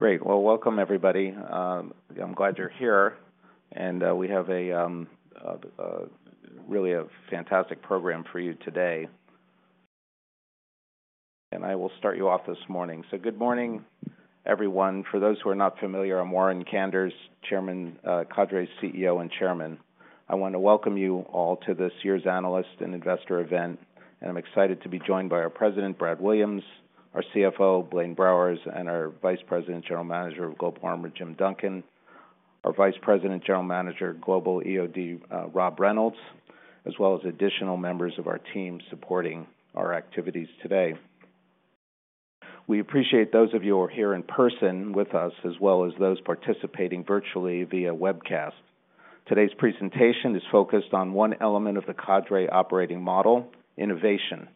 Great. Well, welcome everybody. I'm glad you're here. We have a, really a fantastic program for you today. I will start you off this morning. So good morning, everyone. For those who are not familiar, I'm Warren Kanders, Chairman and Cadre's CEO. I want to welcome you all to this year's Analyst and Investor event. I'm excited to be joined by our President, Brad Williams, our CFO, Blaine Browers, and our Vice President, General Manager of Global Armor, Jim Duncan, our Vice President, General Manager of Global EOD, Rob Reynolds, as well as additional members of our team supporting our activities today. We appreciate those of you who are here in person with us, as well as those participating virtually via webcast. Today's presentation is focused on one element of the Cadre operating model, innovation,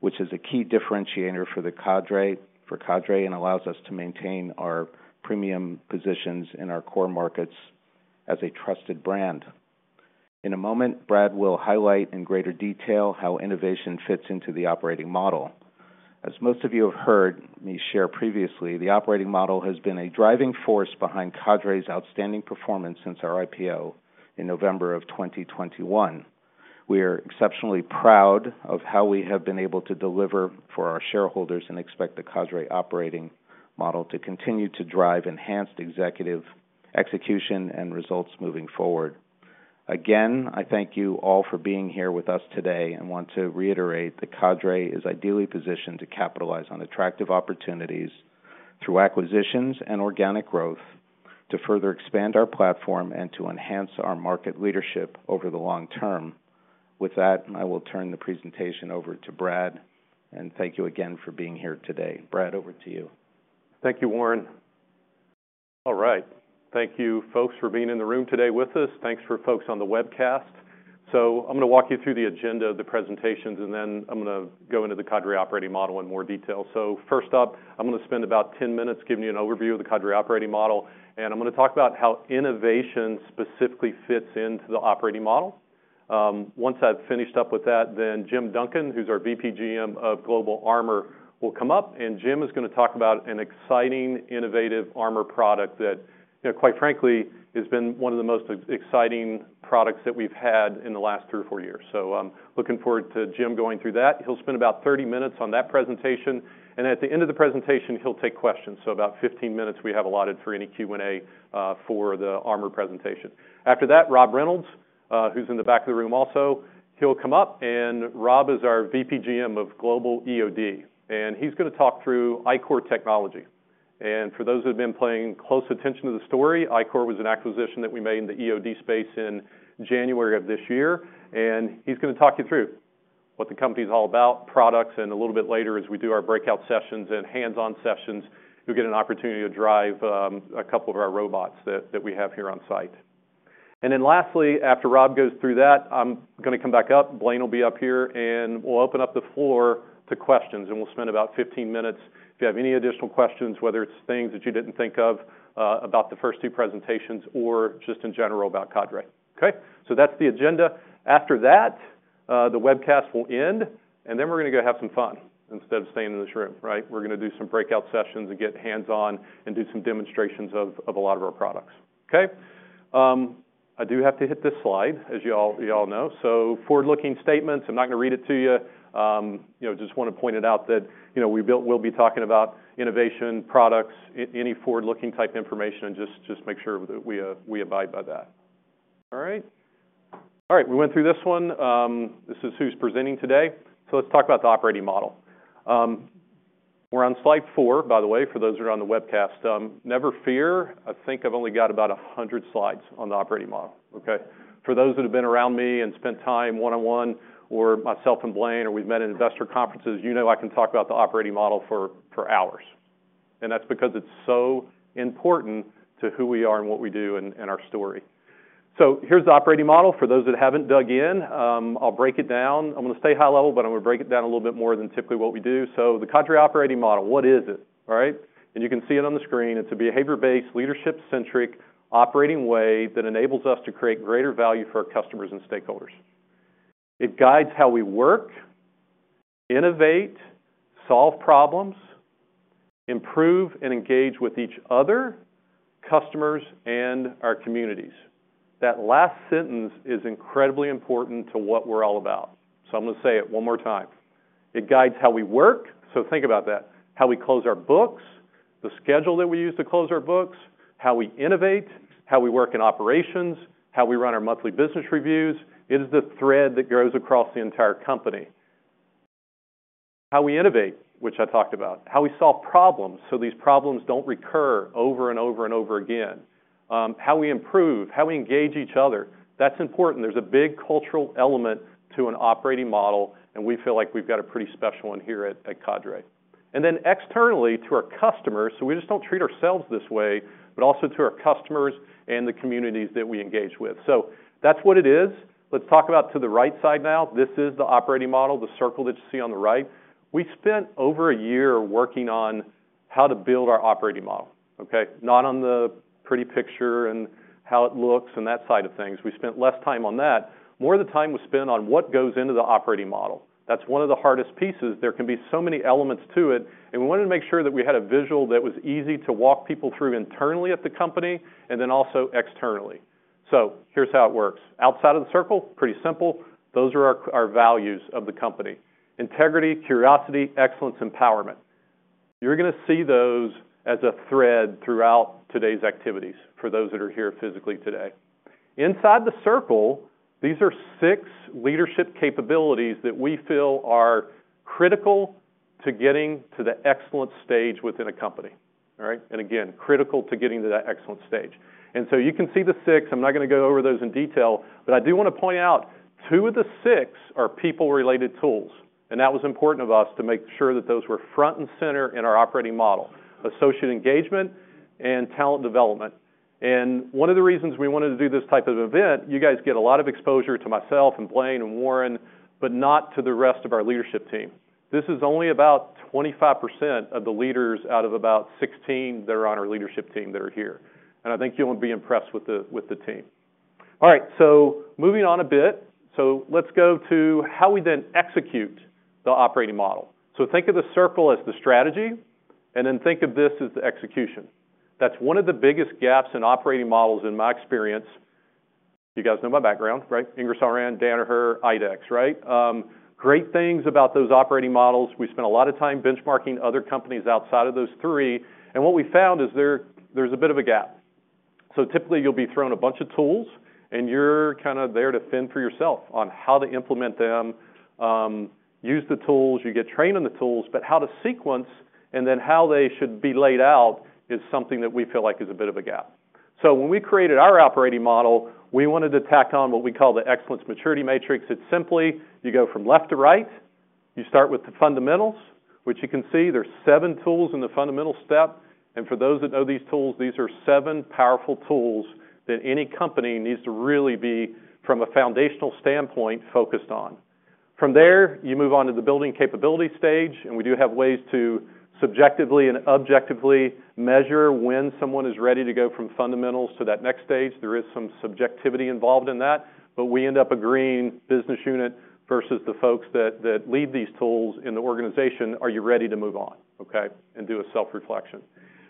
which is a key differentiator for the Cadre for Cadre and allows us to maintain our premium positions in our core markets as a trusted brand. In a moment, Brad will highlight in greater detail how innovation fits into the operating model. As most of you have heard me share previously, the operating model has been a driving force behind Cadre's outstanding performance since our IPO in November of 2021. We are exceptionally proud of how we have been able to deliver for our shareholders and expect the Cadre operating model to continue to drive enhanced executive execution and results moving forward. Again, I thank you all for being here with us today and want to reiterate that Cadre is ideally positioned to capitalize on attractive opportunities through acquisitions and organic growth to further expand our platform and to enhance our market leadership over the long term. With that, I will turn the presentation over to Brad. Thank you again for being here today. Brad, over to you. Thank you, Warren. All right. Thank you, folks, for being in the room today with us. Thanks for folks on the webcast. So I'm going to walk you through the agenda of the presentations, and then I'm going to go into the Cadre operating model in more detail. So first up, I'm going to spend about 10 minutes giving you an overview of the Cadre operating model. I'm going to talk about how innovation specifically fits into the operating model. Once I've finished up with that, Jim Duncan, who's our VP GM of Global Armor, will come up. Jim is going to talk about an exciting, innovative armor product that, you know, quite frankly, has been one of the most exciting products that we've had in the last three or four years. So, looking forward to Jim going through that. He'll spend about 30 minutes on that presentation. At the end of the presentation, he'll take questions. About 15 minutes we have allotted for any Q&A, for the armor presentation. After that, Rob Reynolds, who's in the back of the room also, he'll come up. Rob is our VP GM of Global EOD. He's going to talk through ICOR Technology. For those who have been paying close attention to the story, ICOR was an acquisition that we made in the EOD space in January of this year. He's going to talk you through what the company's all about, products, and a little bit later, as we do our breakout sessions and hands-on sessions, you'll get an opportunity to drive a couple of our robots that we have here on site. And then lastly, after Rob goes through that, I'm going to come back up. Blaine will be up here. And we'll open up the floor to questions. And we'll spend about 15 minutes if you have any additional questions, whether it's things that you didn't think of, about the first two presentations or just in general about Cadre. Okay? So that's the agenda. After that, the webcast will end. And then we're going to go have some fun instead of staying in this room, right? We're going to do some breakout sessions and get hands-on and do some demonstrations of, of a lot of our products. Okay? I do have to hit this slide, as you all, you all know. So forward-looking statements. I'm not going to read it to you. You know, just want to point it out that, you know, we built, we'll be talking about innovation, products, any forward-looking type information. And just make sure that we abide by that. All right? All right. We went through this one. This is who's presenting today. So let's talk about the operating model. We're on slide four, by the way, for those who are on the webcast. Never fear. I think I've only got about 100 slides on the operating model. Okay? For those that have been around me and spent time one-on-one or myself and Blaine or we've met at investor conferences, you know I can talk about the operating model for hours. And that's because it's so important to who we are and what we do and our story. So here's the operating model. For those that haven't dug in, I'll break it down. I'm going to stay high level, but I'm going to break it down a little bit more than typically what we do. So the Cadre operating model, what is it? All right? And you can see it on the screen. It's a behavior-based, leadership-centric operating way that enables us to create greater value for our customers and stakeholders. It guides how we work, innovate, solve problems, improve, and engage with each other, customers, and our communities. That last sentence is incredibly important to what we're all about. So I'm going to say it one more time. It guides how we work. So think about that. How we close our books, the schedule that we use to close our books, how we innovate, how we work in operations, how we run our monthly business reviews. It is the thread that goes across the entire company. How we innovate, which I talked about. How we solve problems so these problems don't recur over and over and over again. How we improve, how we engage each other. That's important. There's a big cultural element to an operating model. And we feel like we've got a pretty special one here at, at Cadre. And then externally to our customers. So we just don't treat ourselves this way, but also to our customers and the communities that we engage with. So that's what it is. Let's talk about to the right side now. This is the operating model, the circle that you see on the right. We spent over a year working on how to build our operating model. Okay? Not on the pretty picture and how it looks and that side of things. We spent less time on that. More of the time was spent on what goes into the operating model. That's one of the hardest pieces. There can be so many elements to it. And we wanted to make sure that we had a visual that was easy to walk people through internally at the company and then also externally. So here's how it works. Outside of the circle, pretty simple. Those are our, our values of the company: integrity, curiosity, excellence, empowerment. You're going to see those as a thread throughout today's activities for those that are here physically today. Inside the circle, these are six leadership capabilities that we feel are critical to getting to the excellence stage within a company. All right? And again, critical to getting to that excellence stage. And so you can see the six. I'm not going to go over those in detail. But I do want to point out 2 of the 6 are people-related tools. That was important of us to make sure that those were front and center in our operating model: associate engagement and talent development. One of the reasons we wanted to do this type of event, you guys get a lot of exposure to myself and Blaine and Warren, but not to the rest of our leadership team. This is only about 25% of the leaders out of about 16 that are on our leadership team that are here. I think you'll be impressed with the, with the team. All right. Moving on a bit. Let's go to how we then execute the operating model. Think of the circle as the strategy, and then think of this as the execution. That's one of the biggest gaps in operating models, in my experience. You guys know my background, right? Ingersoll Rand, Danaher, IDEX, right? Great things about those operating models. We spent a lot of time benchmarking other companies outside of those three. What we found is there's a bit of a gap. So typically, you'll be thrown a bunch of tools, and you're kind of there to fend for yourself on how to implement them, use the tools. You get trained on the tools. But how to sequence and then how they should be laid out is something that we feel like is a bit of a gap. So when we created our operating model, we wanted to tack on what we call the excellence maturity matrix. It's simply, you go from left to right. You start with the fundamentals, which you can see. There's 7 tools in the fundamental step. For those that know these tools, these are 7 powerful tools that any company needs to really be, from a foundational standpoint, focused on. From there, you move on to the building capability stage. We do have ways to subjectively and objectively measure when someone is ready to go from fundamentals to that next stage. There is some subjectivity involved in that. We end up agreeing business unit versus the folks that lead these tools in the organization, are you ready to move on? Okay? Do a self-reflection.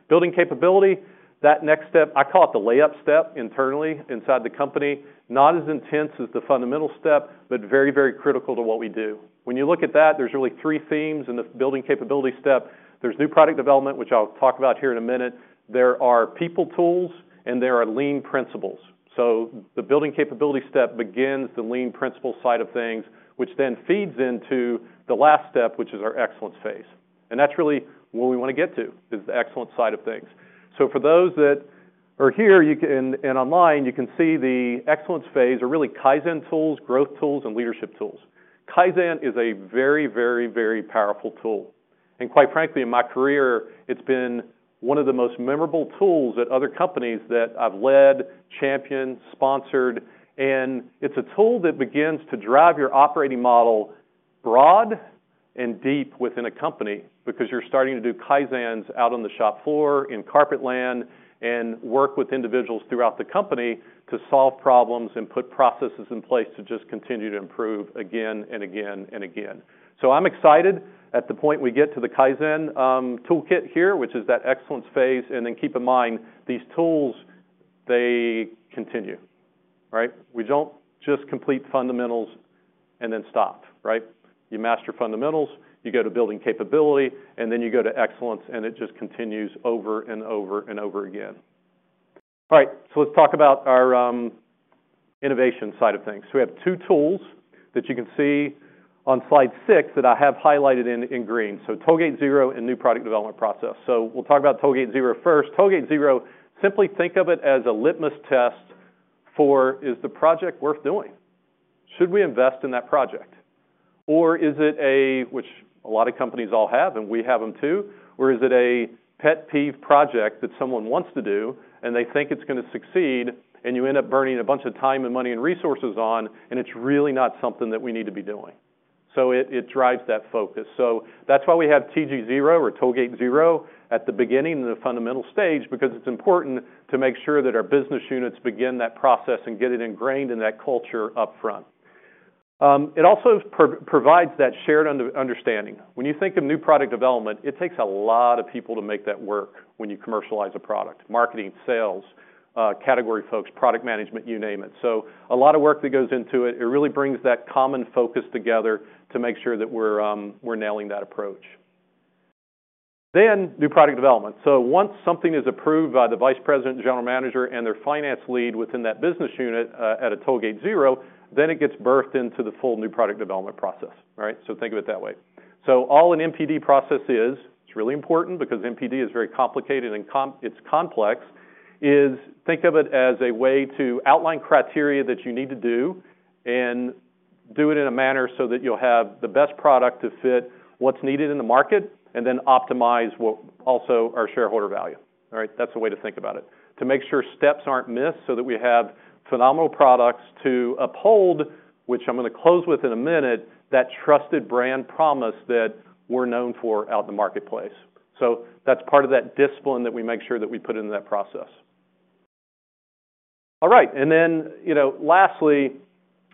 Building capability, that next step, I call it the layup step internally inside the company. Not as intense as the fundamental step, but very, very critical to what we do. When you look at that, there's really 3 themes in the building capability step. There's new product development, which I'll talk about here in a minute. There are people tools, and there are lean principles. So the building capability step begins the lean principle side of things, which then feeds into the last step, which is our excellence phase. And that's really where we want to get to, is the excellence side of things. So for those that are here, you can, and online, you can see the excellence phase are really Kaizen tools, growth tools, and leadership tools. Kaizen is a very, very, very powerful tool. And quite frankly, in my career, it's been one of the most memorable tools at other companies that I've led, championed, sponsored. It's a tool that begins to drive your operating model broad and deep within a company because you're starting to do Kaizens out on the shop floor, in carpet land, and work with individuals throughout the company to solve problems and put processes in place to just continue to improve again and again and again. So I'm excited at the point we get to the Kaizen toolkit here, which is that excellence phase. And then keep in mind, these tools, they continue. All right? We don't just complete fundamentals and then stop. Right? You master fundamentals, you go to building capability, and then you go to excellence. And it just continues over and over and over again. All right. So let's talk about our innovation side of things. So we have two tools that you can see on slide six that I have highlighted in green. So Tollgate 0 and new product development process. So we'll talk about Tollgate 0 first. Tollgate 0, simply think of it as a litmus test for, is the project worth doing? Should we invest in that project? Or is it a, which a lot of companies all have, and we have them too, or is it a pet project that someone wants to do and they think it's going to succeed and you end up burning a bunch of time and money and resources on, and it's really not something that we need to be doing? So it drives that focus. So that's why we have Tollgate 0 at the beginning of the fundamental stage because it's important to make sure that our business units begin that process and get it ingrained in that culture upfront. It also provides that shared understanding. When you think of new product development, it takes a lot of people to make that work when you commercialize a product: marketing, sales, category folks, product management, you name it. So a lot of work that goes into it. It really brings that common focus together to make sure that we're nailing that approach. Then new product development. So once something is approved by the Vice President, General Manager, and their finance lead within that business unit, at a Tollgate 0, then it gets birthed into the full new product development process. All right? So think of it that way. So all an NPD process is, it's really important because NPD is very complicated and it's complex. Think of it as a way to outline criteria that you need to do and do it in a manner so that you'll have the best product to fit what's needed in the market and then optimize what also our shareholder value. All right? That's a way to think about it, to make sure steps aren't missed so that we have phenomenal products to uphold, which I'm going to close with in a minute, that trusted brand promise that we're known for out in the marketplace. So that's part of that discipline that we make sure that we put into that process. All right. And then,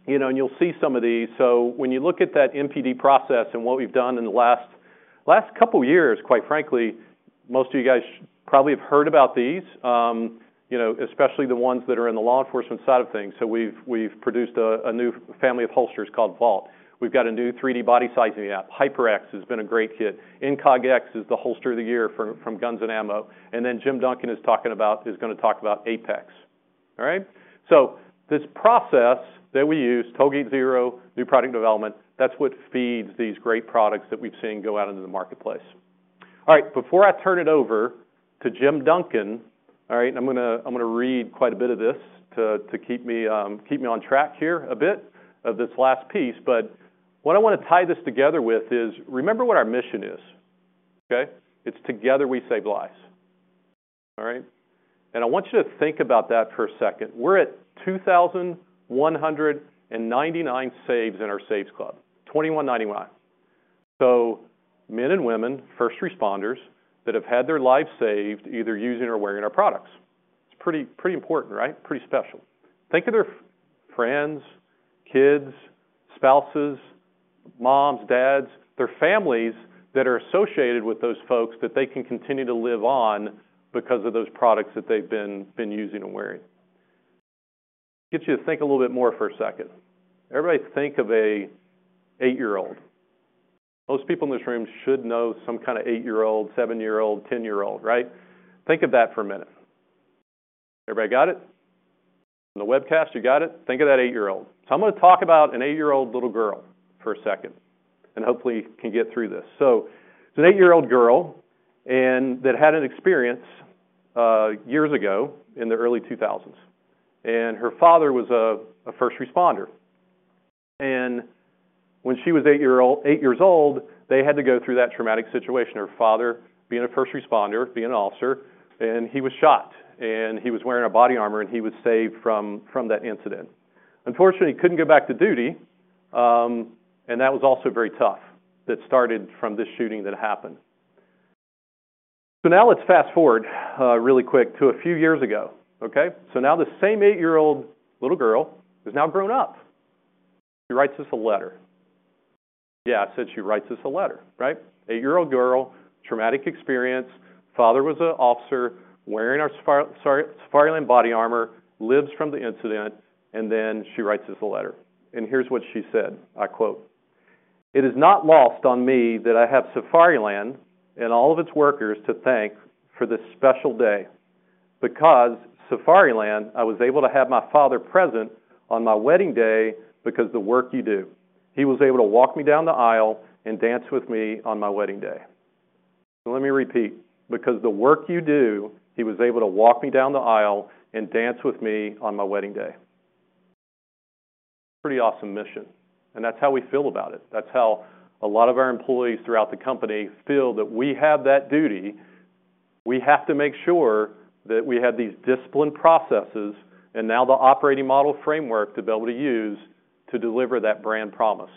you know, and you'll see some of these. So when you look at that NPD process and what we've done in the last couple of years, quite frankly, most of you guys probably have heard about these, you know, especially the ones that are in the law enforcement side of things. We've produced a new family of holsters called Vault. We've got a new 3D body sizing app. HyperX has been a great hit. Incog X is the holster of the year from Guns & Ammo. And then Jim Duncan is going to talk about Apex. All right? So this process that we use, Tollgate 0, new product development, that's what feeds these great products that we've seen go out into the marketplace. All right. Before I turn it over to Jim Duncan, all right, I'm going to, I'm going to read quite a bit of this to, to keep me, keep me on track here a bit of this last piece. But what I want to tie this together with is remember what our mission is. Okay? It's together we save lives. All right? And I want you to think about that for a second. We're at 2,199 saves in our SAVES Club, 2,199. So men and women, first responders that have had their lives saved either using or wearing our products. It's pretty, pretty important, right? Pretty special. Think of their friends, kids, spouses, moms, dads, their families that are associated with those folks that they can continue to live on because of those products that they've been, been using and wearing. Gets you to think a little bit more for a second. Everybody, think of an 8-year-old. Most people in this room should know some kind of 8-year-old, 7-year-old, 10-year-old, right? Think of that for a minute. Everybody got it? In the webcast, you got it? Think of that 8-year-old. So I'm going to talk about an 8-year-old little girl for a second and hopefully can get through this. So it's an 8-year-old girl and that had an experience years ago in the early 2000s. And her father was a first responder. And when she was 8 years old, they had to go through that traumatic situation. Her father, being a first responder, being an officer, and he was shot. And he was wearing body armor, and he was saved from that incident. Unfortunately, he couldn't go back to duty, and that was also very tough. That started from this shooting that happened. So now let's fast forward, really quick to a few years ago. Okay? So now this same 8-year-old little girl is now grown up. She writes us a letter. Yeah, I said she writes us a letter, right? 8-year-old girl, traumatic experience. Father was an officer wearing our Safariland body armor, lives from the incident. And then she writes us a letter. And here's what she said. I quote, "It is not lost on me that I have Safariland and all of its workers to thank for this special day because Safariland, I was able to have my father present on my wedding day because the work you do, he was able to walk me down the aisle and dance with me on my wedding day." So let me repeat, because the work you do, he was able to walk me down the aisle and dance with me on my wedding day. Pretty awesome mission. And that's how we feel about it. That's how a lot of our employees throughout the company feel that we have that duty. We have to make sure that we have these discipline processes and now the operating model framework to be able to use to deliver that brand promise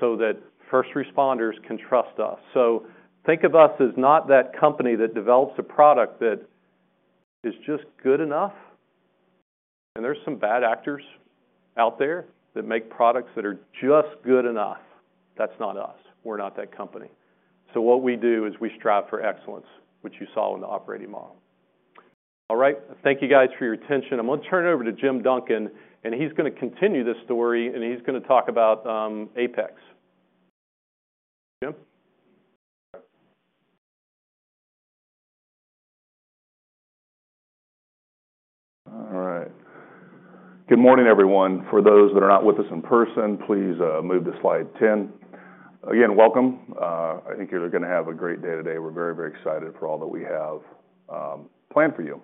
so that first responders can trust us. So think of us as not that company that develops a product that is just good enough. And there's some bad actors out there that make products that are just good enough. That's not us. We're not that company. So what we do is we strive for excellence, which you saw in the operating model. All right. Thank you guys for your attention. I'm going to turn it over to Jim Duncan, and he's going to continue this story, and he's going to talk about Apex. Jim? All right. Good morning, everyone. For those that are not with us in person, please move to slide 10. Again, welcome. I think you're going to have a great day today. We're very, very excited for all that we have planned for you.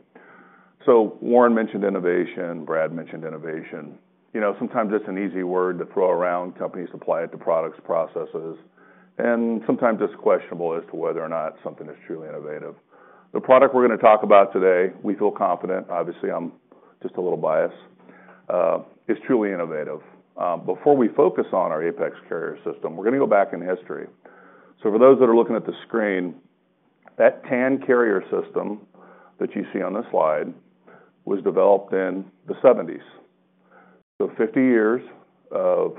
So Warren mentioned innovation. Brad mentioned innovation. You know, sometimes it's an easy word to throw around. Companies apply it to products, processes, and sometimes it's questionable as to whether or not something is truly innovative. The product we're going to talk about today, we feel confident, obviously, I'm just a little biased, is truly innovative. Before we focus on our APEX carrier system, we're going to go back in history. So for those that are looking at the screen, that tan carrier system that you see on the slide was developed in the 1970s. So 50 years of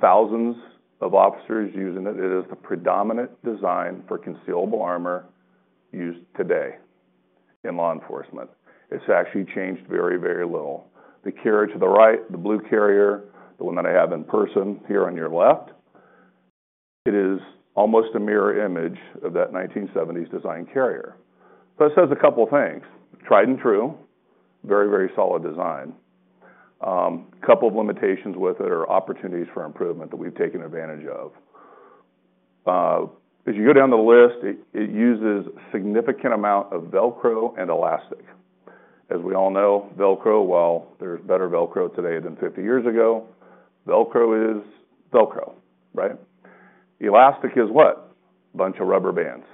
thousands of officers using it. It is the predominant design for concealable armor used today in law enforcement. It's actually changed very, very little. The carrier to the right, the blue carrier, the one that I have in person here on your left, it is almost a mirror image of that 1970s design carrier. So it says a couple of things: tried and true, very, very solid design. A couple of limitations with it or opportunities for improvement that we've taken advantage of. As you go down the list, it uses a significant amount of Velcro and elastic. As we all know, Velcro, well, there's better Velcro today than 50 years ago. Velcro is Velcro, right? Elastic is what? A bunch of rubber bands.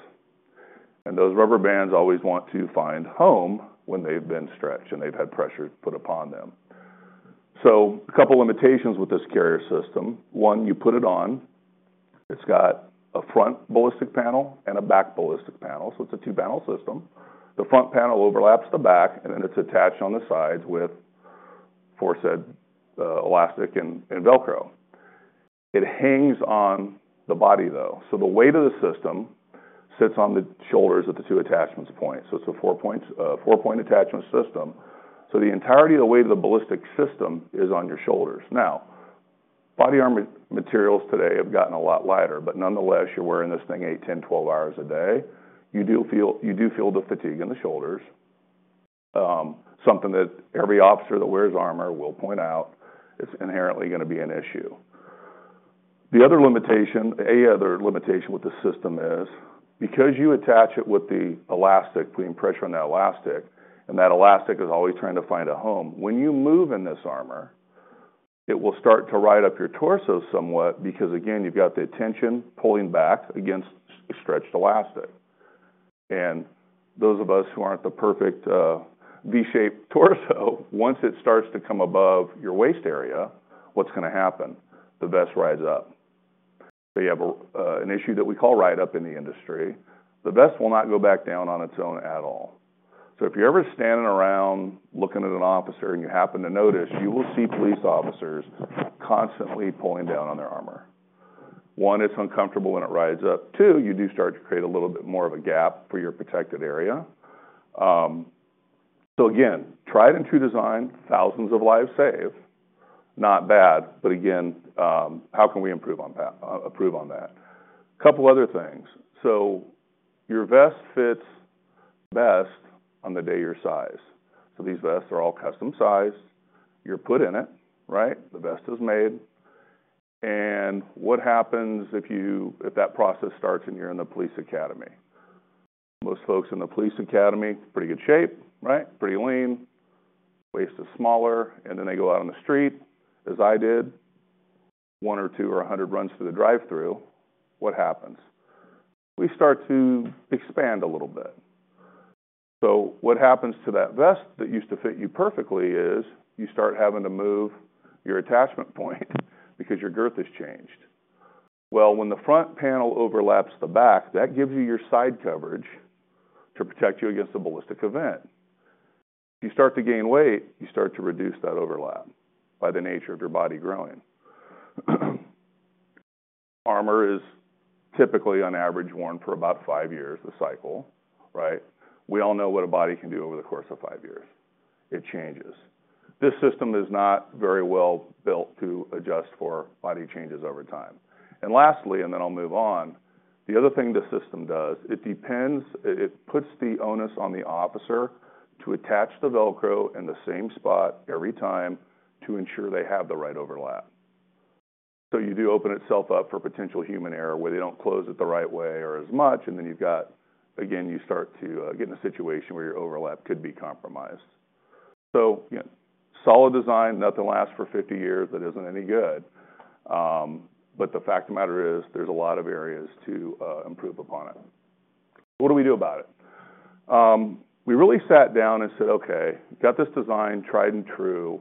And those rubber bands always want to find home when they've been stretched and they've had pressure put upon them. So a couple of limitations with this carrier system. One, you put it on. It's got a front ballistic panel and a back ballistic panel. So it's a two-panel system. The front panel overlaps the back, and then it's attached on the sides with four-sided elastic and Velcro. It hangs on the body, though. So the weight of the system sits on the shoulders at the two attachment points. So it's a four-point, four-point attachment system. So the entirety of the weight of the ballistic system is on your shoulders. Now, body armor materials today have gotten a lot lighter, but nonetheless, you're wearing this thing eight, 10, 12 hours a day. You do feel, you do feel the fatigue in the shoulders, something that every officer that wears armor will point out is inherently going to be an issue. The other limitation, the other limitation with the system is because you attach it with the elastic, putting pressure on that elastic, and that elastic is always trying to find a home. When you move in this armor, it will start to ride up your torso somewhat because, again, you've got the tension pulling back against stretched elastic. Those of us who aren't the perfect, V-shaped torso, once it starts to come above your waist area, what's going to happen? The vest rides up. So you have an issue that we call ride-up in the industry. The vest will not go back down on its own at all. So if you're ever standing around looking at an officer and you happen to notice, you will see police officers constantly pulling down on their armor. One, it's uncomfortable when it rides up. Two, you do start to create a little bit more of a gap for your protected area. So again, tried and true design, thousands of lives saved. Not bad. But again, how can we improve on that, improve on that? A couple of other things. So your vest fits best on the day your size. So these vests are all custom sized. You're put in it, right? The vest is made. And what happens if you, if that process starts and you're in the police academy? Most folks in the police academy, pretty good shape, right? Pretty lean. Waist is smaller. And then they go out on the street, as I did, 1 or 2 or 100 runs through the drive-thru. What happens? We start to expand a little bit. So what happens to that vest that used to fit you perfectly is you start having to move your attachment point because your girth has changed. Well, when the front panel overlaps the back, that gives you your side coverage to protect you against a ballistic event. You start to gain weight, you start to reduce that overlap by the nature of your body growing. Armor is typically, on average, worn for about 5 years, the cycle, right? We all know what a body can do over the course of five years. It changes. This system is not very well built to adjust for body changes over time. And lastly, and then I'll move on, the other thing the system does, it depends, it puts the onus on the officer to attach the Velcro in the same spot every time to ensure they have the right overlap. So you do open itself up for potential human error where they don't close it the right way or as much. And then you've got, again, you start to, get in a situation where your overlap could be compromised. So, you know, solid design, nothing lasts for 50 years. That isn't any good. But the fact of the matter is there's a lot of areas to, improve upon it. What do we do about it? We really sat down and said, "Okay, got this design tried and true.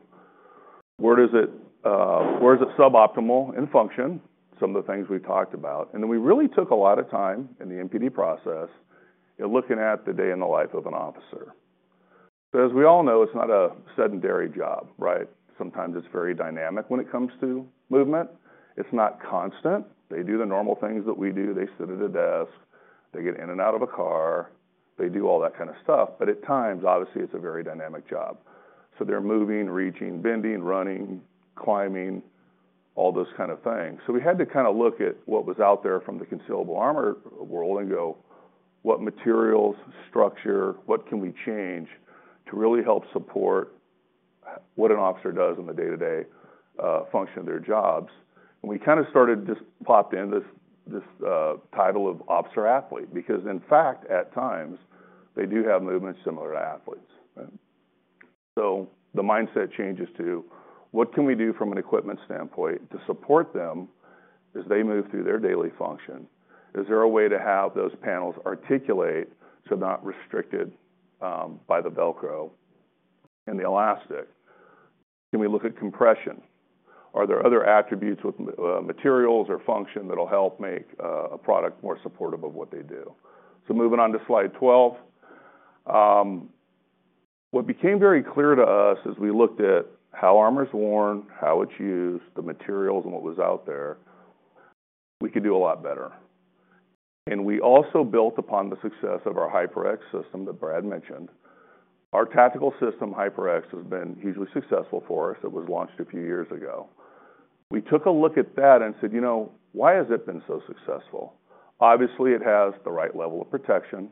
Where does it, where is it suboptimal in function?" Some of the things we talked about. And then we really took a lot of time in the NPD process in looking at the day in the life of an officer. So as we all know, it's not a sedentary job, right? Sometimes it's very dynamic when it comes to movement. It's not constant. They do the normal things that we do. They sit at a desk. They get in and out of a car. They do all that kind of stuff. But at times, obviously, it's a very dynamic job. So they're moving, reaching, bending, running, climbing, all those kind of things. So we had to kind of look at what was out there from the concealable armor world and go, "What materials, structure, what can we change to really help support what an officer does in the day-to-day function of their jobs?" And we kind of started just popped in this title of officer athlete because in fact, at times, they do have movements similar to athletes, right? So the mindset changes to what can we do from an equipment standpoint to support them as they move through their daily function? Is there a way to have those panels articulate so they're not restricted by the Velcro and the elastic? Can we look at compression? Are there other attributes with materials or function that'll help make a product more supportive of what they do? Moving on to slide 12, what became very clear to us as we looked at how armor's worn, how it's used, the materials, and what was out there, we could do a lot better. We also built upon the success of our HyperX system that Brad mentioned. Our tactical system, HyperX, has been hugely successful for us. It was launched a few years ago. We took a look at that and said, "You know, why has it been so successful?" Obviously, it has the right level of protection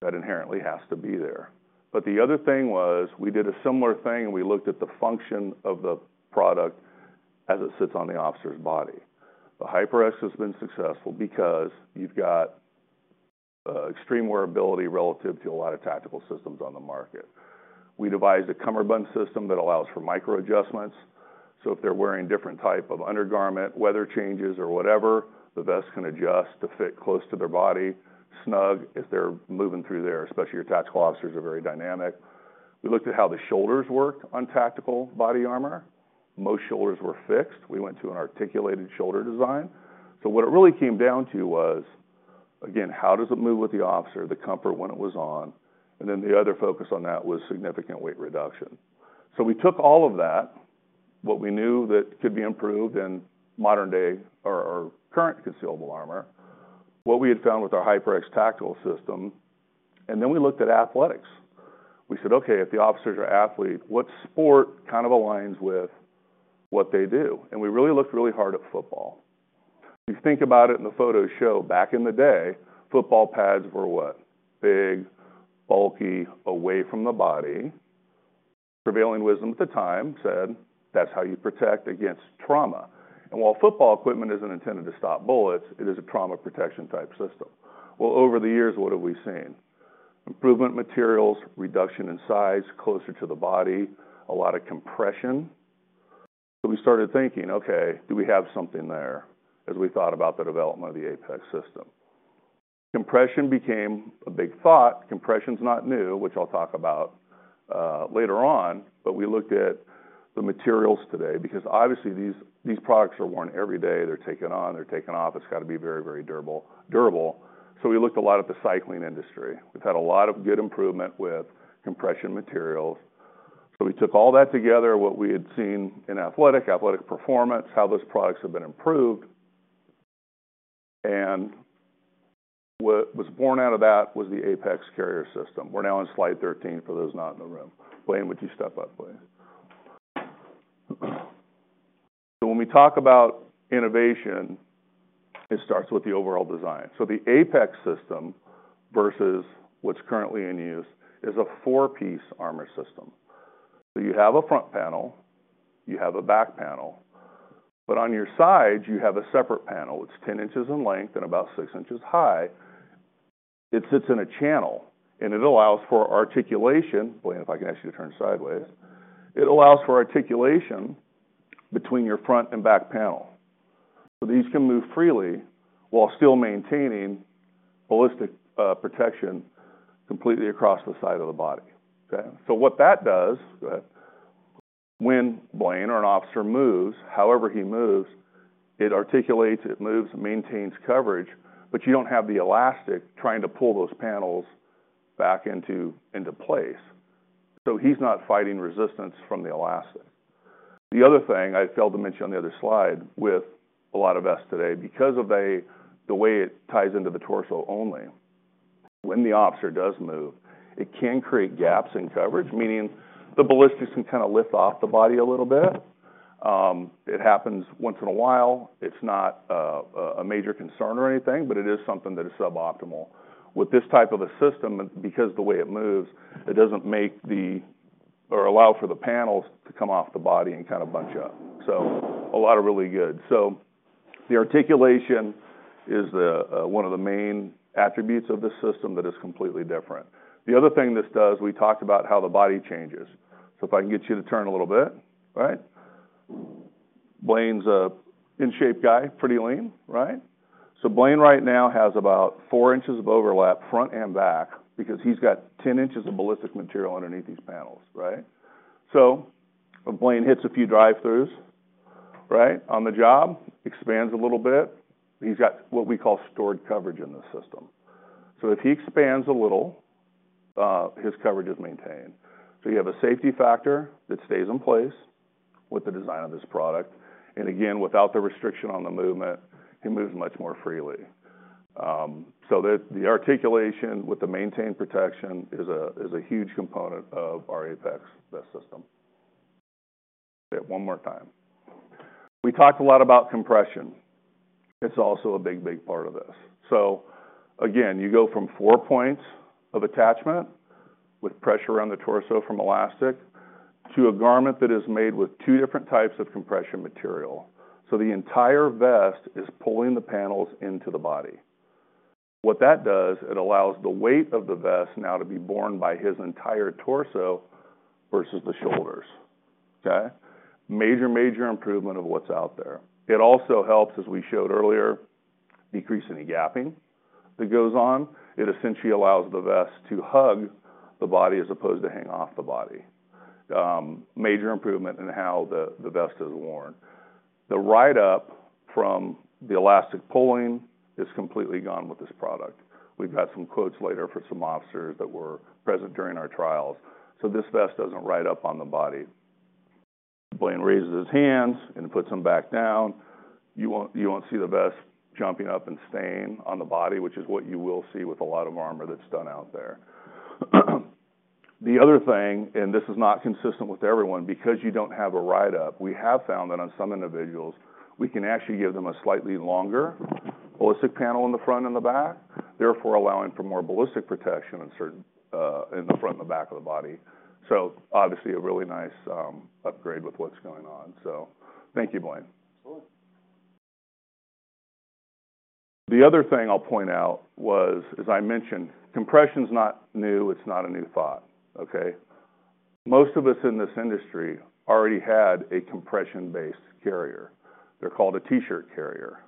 that inherently has to be there. But the other thing was we did a similar thing, and we looked at the function of the product as it sits on the officer's body. The HyperX has been successful because you've got extreme wearability relative to a lot of tactical systems on the market. We devised a cummerbund system that allows for micro-adjustments. So if they're wearing different type of undergarment, weather changes, or whatever, the vest can adjust to fit close to their body, snug if they're moving through there, especially your tactical officers are very dynamic. We looked at how the shoulders worked on tactical body armor. Most shoulders were fixed. We went to an articulated shoulder design. So what it really came down to was, again, how does it move with the officer, the comfort when it was on? And then the other focus on that was significant weight reduction. So we took all of that, what we knew that could be improved in modern-day or, or current concealable armor, what we had found with our HyperX tactical system. And then we looked at athletics. We said, "Okay, if the officers are athletes, what sport kind of aligns with what they do?" And we really looked really hard at football. You think about it, and the photos show back in the day, football pads were what? Big, bulky, away from the body. Prevailing wisdom at the time said, "That's how you protect against trauma." And while football equipment isn't intended to stop bullets, it is a trauma protection-type system. Well, over the years, what have we seen? Improvement materials, reduction in size, closer to the body, a lot of compression. So we started thinking, "Okay, do we have something there?" as we thought about the development of the APEX system. Compression became a big thought. Compression's not new, which I'll talk about, later on. But we looked at the materials today because, obviously, these, these products are worn every day. They're taken on. They're taken off. It's got to be very, very durable, durable. So we looked a lot at the cycling industry. We've had a lot of good improvement with compression materials. So we took all that together, what we had seen in athletic, athletic performance, how those products have been improved. And what was born out of that was the Apex carrier system. We're now on slide 13 for those not in the room. Blaine, would you step up, please? So when we talk about innovation, it starts with the overall design. So the Apex system versus what's currently in use is a four-piece armor system. So you have a front panel. You have a back panel. But on your sides, you have a separate panel. It's 10in in length and about 6in high. It sits in a channel, and it allows for articulation. Blaine, if I can ask you to turn sideways, it allows for articulation between your front and back panel. So these can move freely while still maintaining ballistic protection completely across the side of the body, okay? So what that does. Go ahead. When Blaine or an officer moves, however he moves, it articulates, it moves, it maintains coverage, but you don't have the elastic trying to pull those panels back into place. So he's not fighting resistance from the elastic. The other thing I failed to mention on the other slide with a lot of vests today, because of the way it ties into the torso only, when the officer does move, it can create gaps in coverage, meaning the ballistics can kind of lift off the body a little bit. It happens once in a while. It's not a major concern or anything, but it is something that is suboptimal. With this type of a system, because of the way it moves, it doesn't make the-or allow for the panels to come off the body and kind of bunch up. So a lot of really good. So the articulation is the one of the main attributes of this system that is completely different. The other thing this does, we talked about how the body changes. So if I can get you to turn a little bit, right? Blaine's an in-shape guy, pretty lean, right? So Blaine right now has about 4in of overlap front and back because he's got 10in of ballistic material underneath these panels, right? So if Blaine hits a few drive-thrus right on the job, expands a little bit, he's got what we call stored coverage in this system. So if he expands a little, his coverage is maintained. So you have a safety factor that stays in place with the design of this product. And again, without the restriction on the movement, he moves much more freely. So the articulation with the maintained protection is a huge component of our APEX vest system. Okay, one more time. We talked a lot about compression. It's also a big, big part of this. So again, you go from 4 points of attachment with pressure around the torso from elastic to a garment that is made with 2 different types of compression material. So the entire vest is pulling the panels into the body. What that does, it allows the weight of the vest now to be borne by his entire torso versus the shoulders, okay? Major, major improvement of what's out there. It also helps, as we showed earlier, decrease any gapping that goes on. It essentially allows the vest to hug the body as opposed to hang off the body. Major improvement in how the vest is worn. The ride-up from the elastic pulling is completely gone with this product. We've got some quotes later for some officers that were present during our trials. So this vest doesn't ride up on the body. Blaine raises his hands and puts them back down. You won't, you won't see the vest jumping up and staying on the body, which is what you will see with a lot of armor that's done out there. The other thing, and this is not consistent with everyone, because you don't have a ride-up, we have found that on some individuals, we can actually give them a slightly longer ballistic panel in the front and the back, therefore allowing for more ballistic protection in certain, in the front and the back of the body. So obviously, a really nice upgrade with what's going on. So thank you, Blaine. Absolutely. The other thing I'll point out was, as I mentioned, compression's not new. It's not a new thought, okay? Most of us in this industry already had a compression-based carrier. They're called a T-shirt carrier.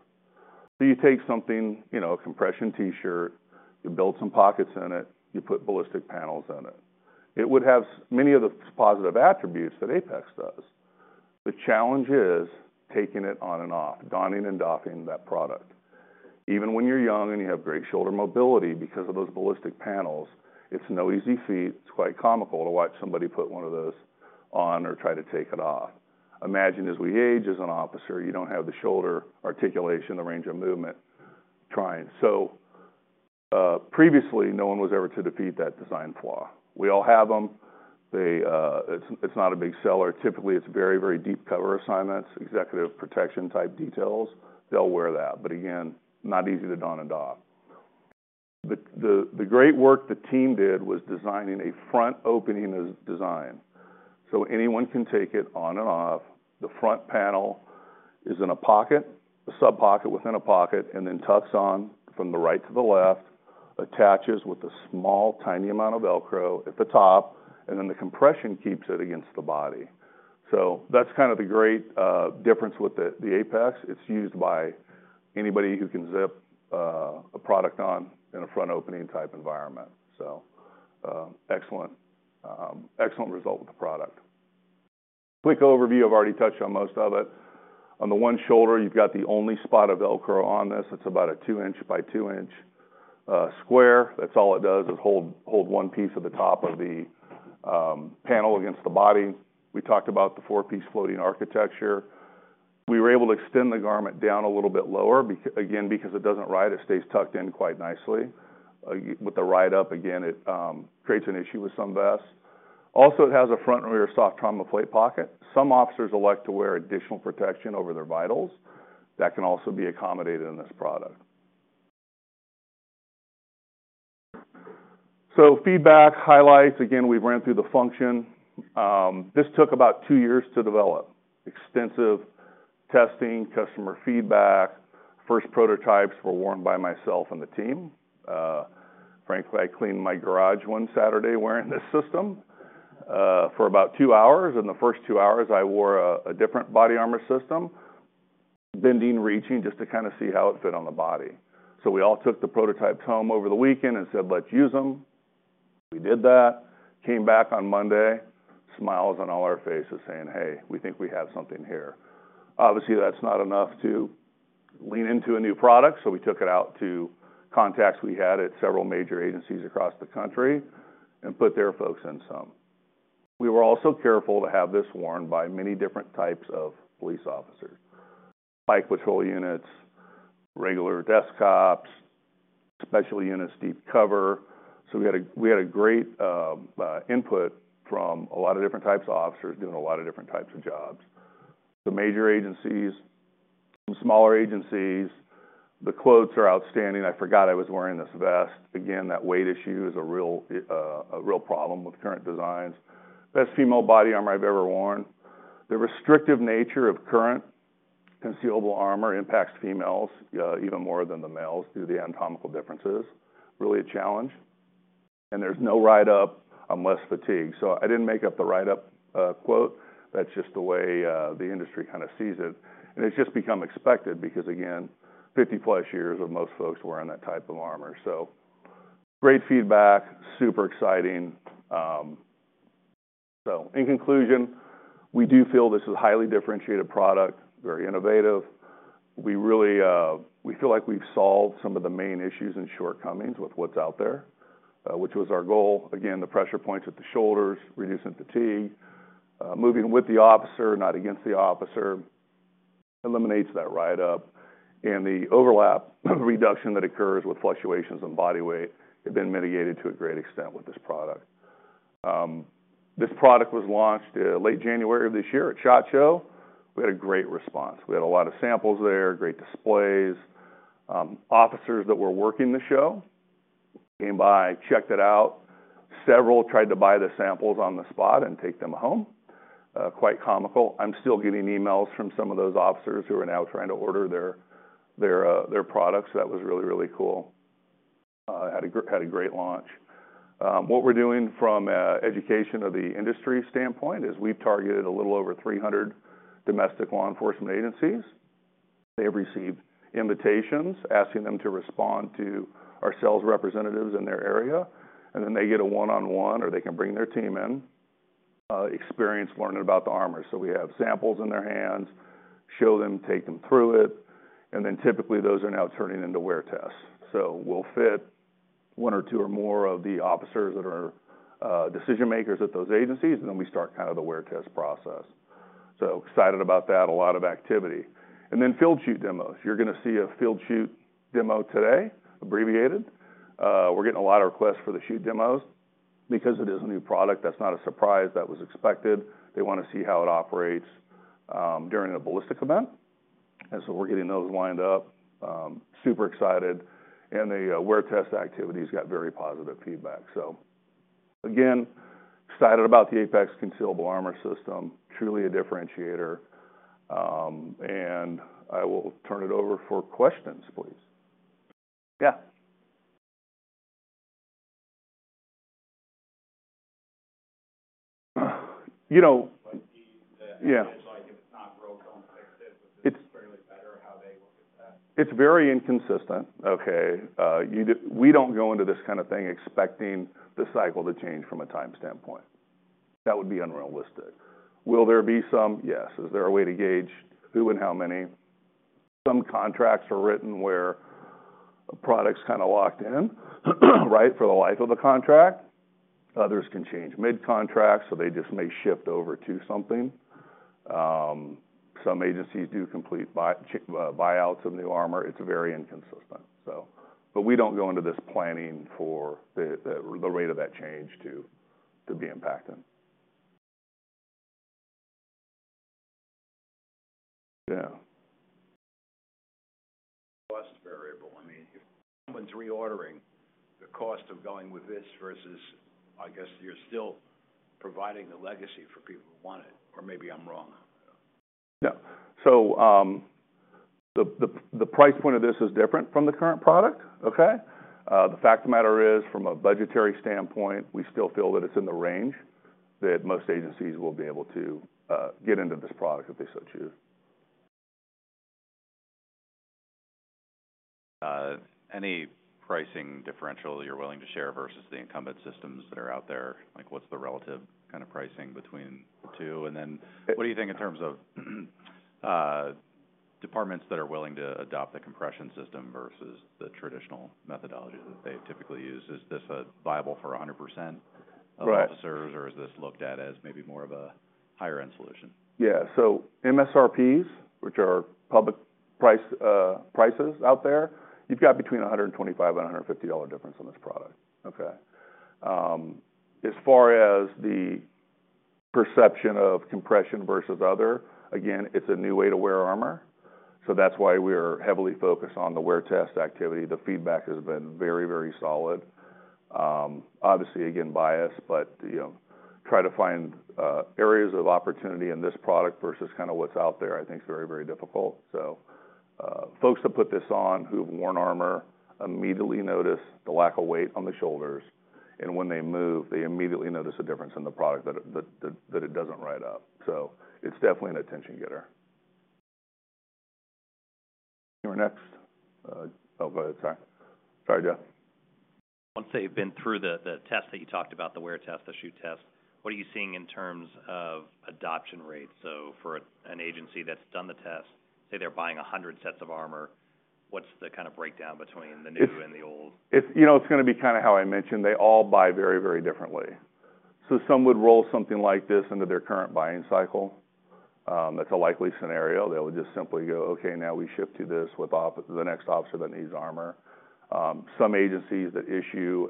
So you take something, you know, a compression T-shirt, you build some pockets in it, you put ballistic panels in it. It would have many of the positive attributes that APEX does. The challenge is taking it on and off, donning and doffing that product. Even when you're young and you have great shoulder mobility because of those ballistic panels, it's no easy feat. It's quite comical to watch somebody put one of those on or try to take it off. Imagine as we age as an officer, you don't have the shoulder articulation, the range of movement trying. So, previously, no one was ever to defeat that design flaw. We all have them. It's not a big seller. Typically, it's very, very deep cover assignments, executive protection-type details. They'll wear that. But again, not easy to don and doff. The great work the team did was designing a front opening design. So anyone can take it on and off. The front panel is in a pocket, a subpocket within a pocket, and then tucks on from the right to the left, attaches with a small, tiny amount of Velcro at the top, and then the compression keeps it against the body. So that's kind of the great difference with the APEX. It's used by anybody who can zip a product on in a front opening-type environment. So, excellent, excellent result with the product. Quick overview. I've already touched on most of it. On the one shoulder, you've got the only spot of Velcro on this. It's about a 2in by 2in square. That's all it does is hold one piece of the top of the panel against the body. We talked about the four-piece floating architecture. We were able to extend the garment down a little bit lower because, again, because it doesn't ride. It stays tucked in quite nicely. With the ride-up, again, it creates an issue with some vests. Also, it has a front and rear soft trauma plate pocket. Some officers elect to wear additional protection over their vitals. That can also be accommodated in this product. So feedback highlights. Again, we've ran through the function. This took about 2 years to develop. Extensive testing, customer feedback. First prototypes were worn by myself and the team. Frankly, I cleaned my garage one Saturday wearing this system, for about 2 hours. And the first 2 hours, I wore a different body armor system, bending, reaching just to kind of see how it fit on the body. So we all took the prototypes home over the weekend and said, "Let's use them." We did that. Came back on Monday, smiles on all our faces saying, "Hey, we think we have something here." Obviously, that's not enough to lean into a new product. So we took it out to contacts we had at several major agencies across the country and put their folks in some. We were also careful to have this worn by many different types of police officers, bike patrol units, regular desktops, special units, deep cover. So we had great input from a lot of different types of officers doing a lot of different types of jobs. The major agencies, some smaller agencies, the quotes are outstanding. I forgot I was wearing this vest. Again, that weight issue is a real problem with current designs. Best female body armor I've ever worn. The restrictive nature of current concealable armor impacts females, even more than the males due to the anatomical differences. Really a challenge. There's no ride-up unless fatigue. So I didn't make up the ride-up, quote. That's just the way, the industry kind of sees it. It's just become expected because, again, 50+ years of most folks wearing that type of armor. Great feedback, super exciting. So in conclusion, we do feel this is a highly differentiated product, very innovative. We really, we feel like we've solved some of the main issues and shortcomings with what's out there, which was our goal. Again, the pressure points at the shoulders, reducing fatigue, moving with the officer, not against the officer, eliminates that ride-up. The overlap reduction that occurs with fluctuations in body weight has been mitigated to a great extent with this product. This product was launched in late January of this year at SHOT Show. We had a great response. We had a lot of samples there, great displays. Officers that were working the show came by, checked it out. Several tried to buy the samples on the spot and take them home. Quite comical. I'm still getting emails from some of those officers who are now trying to order their, their, their products. That was really, really cool. Had a great, had a great launch. What we're doing from education or the industry standpoint is we've targeted a little over 300 domestic law enforcement agencies. They have received invitations asking them to respond to our sales representatives in their area. And then they get a one-on-one or they can bring their team in, experience learning about the armor. So we have samples in their hands, show them, take them through it. And then typically those are now turning into wear tests. So we'll fit one or two or more of the officers that are decision makers at those agencies, and then we start kind of the wear test process. So excited about that. A lot of activity. And then field shoot demos. You're gonna see a field shoot demo today, abbreviated. We're getting a lot of requests for the shoot demos because it is a new product. That's not a surprise. That was expected. They wanna see how it operates during a ballistic event. And so we're getting those lined up. Super excited. And the wear test activities got very positive feedback. So again, excited about the Apex concealable armor system, truly a differentiator. And I will turn it over for questions, please. Yeah. You know. Yeah. So if it's not broke, don't fix it. It's fairly better how they look at that. It's very inconsistent. Okay. You do. We don't go into this kind of thing expecting the cycle to change from a time standpoint. That would be unrealistic. Will there be some? Yes. Is there a way to gauge who and how many? Some contracts are written where product's kind of locked in, right, for the life of the contract. Others can change mid-contract, so they just may shift over to something. Some agencies do complete buyouts of new armor. It's very inconsistent. So, but we don't go into this planning for the rate of that change to be impacting. Yeah. Cost variable. I mean, if someone's reordering the cost of going with this versus, I guess, you're still providing the legacy for people who want it. Or maybe I'm wrong. Yeah. So, the price point of this is different from the current product, okay? The fact of the matter is, from a budgetary standpoint, we still feel that it's in the range that most agencies will be able to get into this product if they so choose. Any pricing differential that you're willing to share versus the incumbent systems that are out there? Like, what's the relative kind of pricing between the two? And then what do you think in terms of departments that are willing to adopt the compression system versus the traditional methodology that they typically use? Is this viable for 100% of officers, or is this looked at as maybe more of a higher-end solution? Yeah. So MSRPs, which are public price, prices out there, you've got between $125-$150 difference on this product, okay? As far as the perception of compression versus other, again, it's a new way to wear armor. So that's why we are heavily focused on the wear test activity. The feedback has been very, very solid. Obviously, again, bias, but, you know, try to find areas of opportunity in this product versus kind of what's out there, I think, is very, very difficult. So, folks that put this on who've worn armor immediately notice the lack of weight on the shoulders. And when they move, they immediately notice a difference in the product that it doesn't ride up. So it's definitely an attention getter. You were next. Oh, go ahead. Sorry. Sorry, Jeff. Once they've been through the test that you talked about, the wear test, the shoot test, what are you seeing in terms of adoption rate? So for an agency that's done the test, say they're buying 100 sets of armor, what's the kind of breakdown between the new and the old? It's, you know, it's gonna be kind of how I mentioned. They all buy very, very differently. So some would roll something like this into their current buying cycle. That's a likely scenario. They would just simply go, "Okay, now we shift to this with the next officer that needs armor." Some agencies that issue,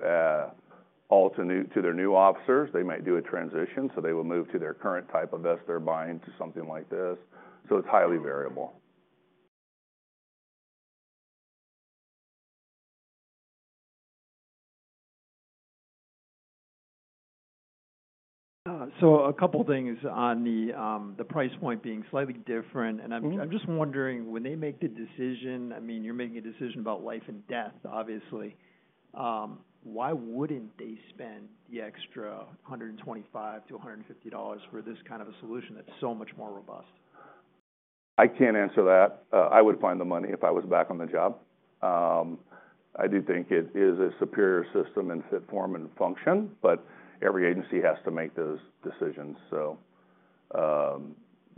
all to new to their new officers, they might do a transition. So they will move to their current type of vest they're buying to something like this. So it's highly variable. So a couple things on the, the price point being slightly different. And I'm, I'm just wondering when they make the decision, I mean, you're making a decision about life and death, obviously. Why wouldn't they spend the extra $125-$150 for this kind of a solution that's so much more robust? I can't answer that. I would find the money if I was back on the job. I do think it is a superior system in fit, form, and function, but every agency has to make those decisions. So,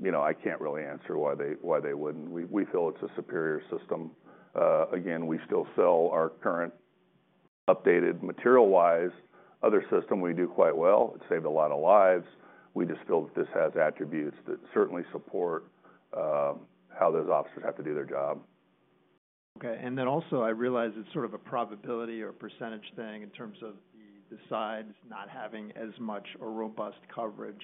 you know, I can't really answer why they, why they wouldn't. We, we feel it's a superior system. Again, we still sell our current updated material-wise. Other system we do quite well. It saved a lot of lives. We just feel that this has attributes that certainly support how those officers have to do their job. Okay. And then also I realize it's sort of a probability or a percentage thing in terms of the, the sides not having as much or robust coverage.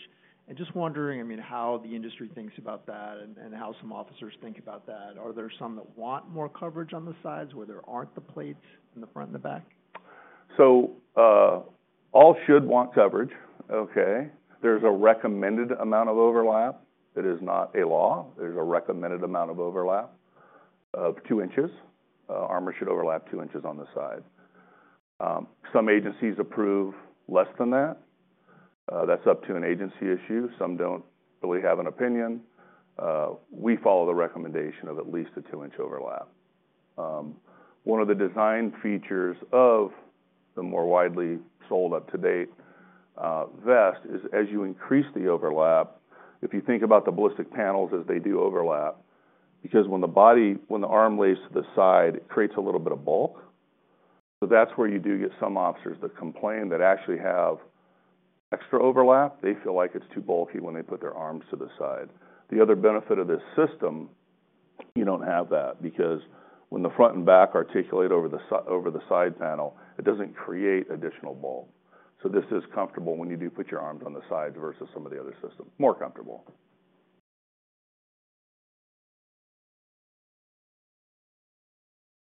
And just wondering, I mean, how the industry thinks about that and how some officers think about that. Are there some that want more coverage on the sides where there aren't the plates in the front and the back? So, all should want coverage, okay? There's a recommended amount of overlap. It is not a law. There's a recommended amount of overlap of 2in. Armor should overlap 2in on the side. Some agencies approve less than that. That's up to an agency issue. Some don't really have an opinion. We follow the recommendation of at least a 2in overlap. One of the design features of the more widely sold up-to-date vest is as you increase the overlap, if you think about the ballistic panels as they do overlap, because when the body, when the arm lays to the side, it creates a little bit of bulk. So that's where you do get some officers that complain that actually have extra overlap. They feel like it's too bulky when they put their arms to the side. The other benefit of this system, you don't have that because when the front and back articulate over the side panel, it doesn't create additional bulk. So this is comfortable when you do put your arms on the sides versus some of the other systems. More comfortable.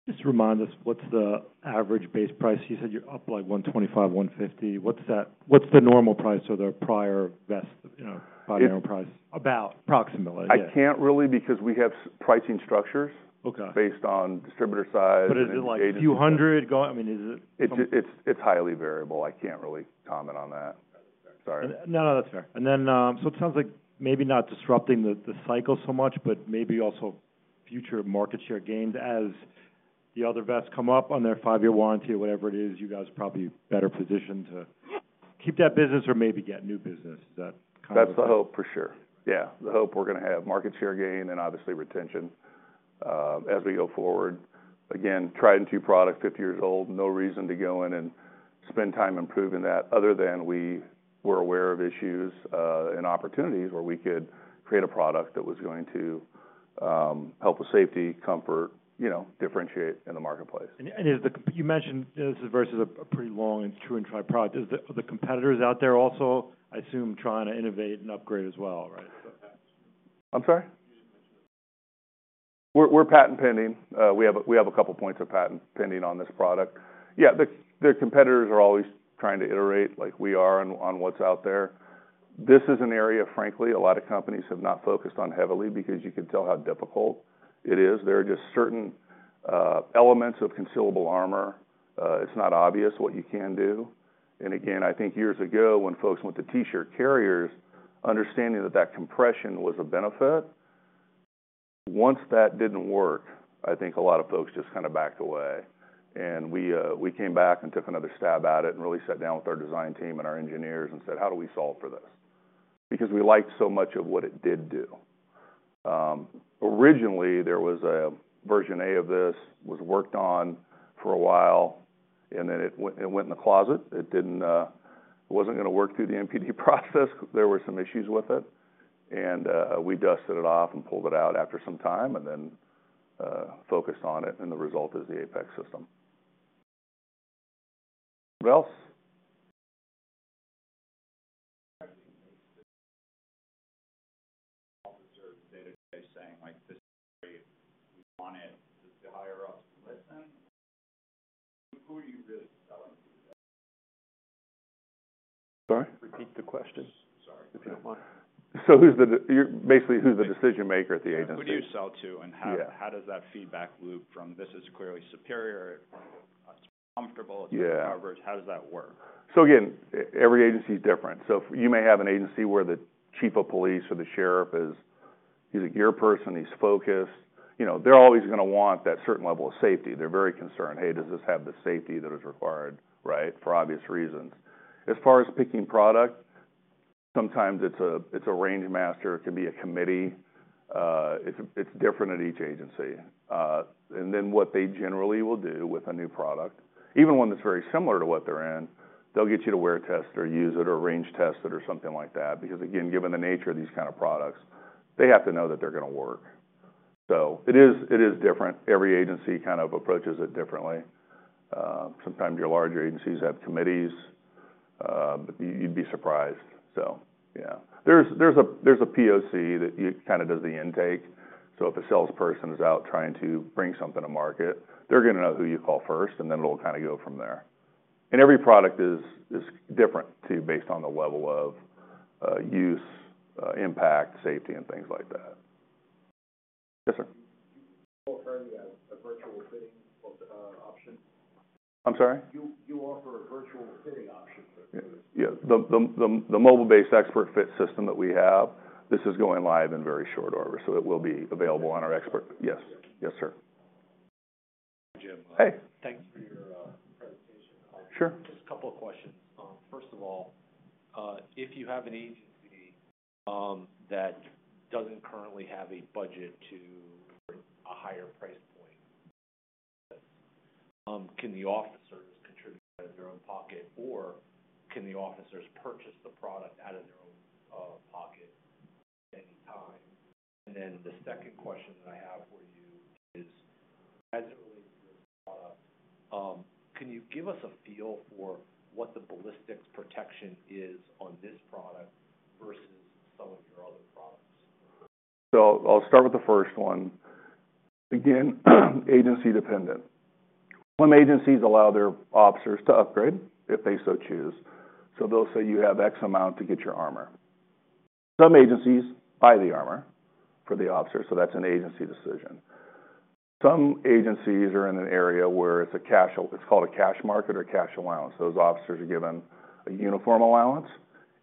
Just remind us, what's the average base price? You said you're up like $125-$150. What's that? What's the normal price of the prior vest, you know, body armor price? About approximately. Yeah. I can't really because we have pricing structures. Okay. Based on distributor size. But is it like a few hundred going? I mean, is it? It's, it's, it's highly variable. I can't really comment on that. Sorry. No, no, that's fair. And then, so it sounds like maybe not disrupting the cycle so much, but maybe also future market share gains as the other vests come up on their 5-year warranty or whatever it is. You guys are probably better positioned to keep that business or maybe get new business. Is that kind of? That's the hope for sure. Yeah. The hope we're gonna have market share gain and obviously retention, as we go forward. Again, tried and true product, 50 years old, no reason to go in and spend time improving that other than we were aware of issues, and opportunities where we could create a product that was going to help with safety, comfort, you know, differentiate in the marketplace. And is the, you mentioned this is versus a pretty long and true and tried product. Is the competitors out there also, I assume, trying to innovate and upgrade as well, right? I'm sorry? We're patent pending. We have a couple points of patent pending on this product. Yeah. The competitors are always trying to iterate like we are on what's out there. This is an area, frankly, a lot of companies have not focused on heavily because you can tell how difficult it is. There are just certain elements of concealable armor. It's not obvious what you can do. And again, I think years ago when folks went to T-shirt carriers, understanding that that compression was a benefit, once that didn't work, I think a lot of folks just kind of backed away. We came back and took another stab at it and really sat down with our design team and our engineers and said, "How do we solve for this?" Because we liked so much of what it did do. Originally there was a version A of this was worked on for a while, and then it went in the closet. It didn't, it wasn't gonna work through the NPD process. There were some issues with it. We dusted it off and pulled it out after some time and then focused on it. And the result is the APEX system. What else? Officer day-to-day saying, like, "This is great. We want it. Does the higher-ups listen?" Who are you really selling to today? Sorry? Repeat the question. Sorry. If you don't mind. So who's the decision maker at the agency? Who do you sell to and how, how does that feedback loop from, "This is clearly superior, it's comfortable, it's covered"? How does that work? So again, every agency's different. So you may have an agency where the chief of police or the sheriff is, he's a gear person, he's focused. You know, they're always gonna want that certain level of safety. They're very concerned, "Hey, does this have the safety that is required?" Right? For obvious reasons. As far as picking product, sometimes it's a, it's a range master. It can be a committee. It's, it's different at each agency. And then what they generally will do with a new product, even one that's very similar to what they're in, they'll get you to wear test or use it or range test it or something like that. Because again, given the nature of these kind of products, they have to know that they're gonna work. So it is different. Every agency kind of approaches it differently. Sometimes your larger agencies have committees, but you'd be surprised. So yeah. There's a POC that you kind of does the intake. So if a salesperson is out trying to bring something to market, they're gonna know who you call first, and then it'll kind of go from there. And every product is different too based on the level of use, impact, safety, and things like that. Yes, sir. You offer a virtual fitting option? I'm sorry? You offer a virtual fitting option for the— Yeah. The mobile-based ExpertFit system that we have, this is going live in very short order, so it will be available on our ExpertFit— Yes. Yes, sir. Hi, Jim. Hey. Thanks for your presentation. Sure. Just a couple of questions. First of all, if you have an agency that doesn't currently have a budget to a higher price point, can the officers contribute out of their own pocket, or can the officers purchase the product out of their own pocket at any time? And then the second question that I have for you is, as it relates to this product, can you give us a feel for what the ballistics protection is on this product versus some of your other products? So I'll start with the first one. Again, agency-dependent. Some agencies allow their officers to upgrade if they so choose. So they'll say, "You have X amount to get your armor." Some agencies buy the armor for the officer, so that's an agency decision. Some agencies are in an area where it's a cash, it's called a cash market or cash allowance. Those officers are given a uniform allowance,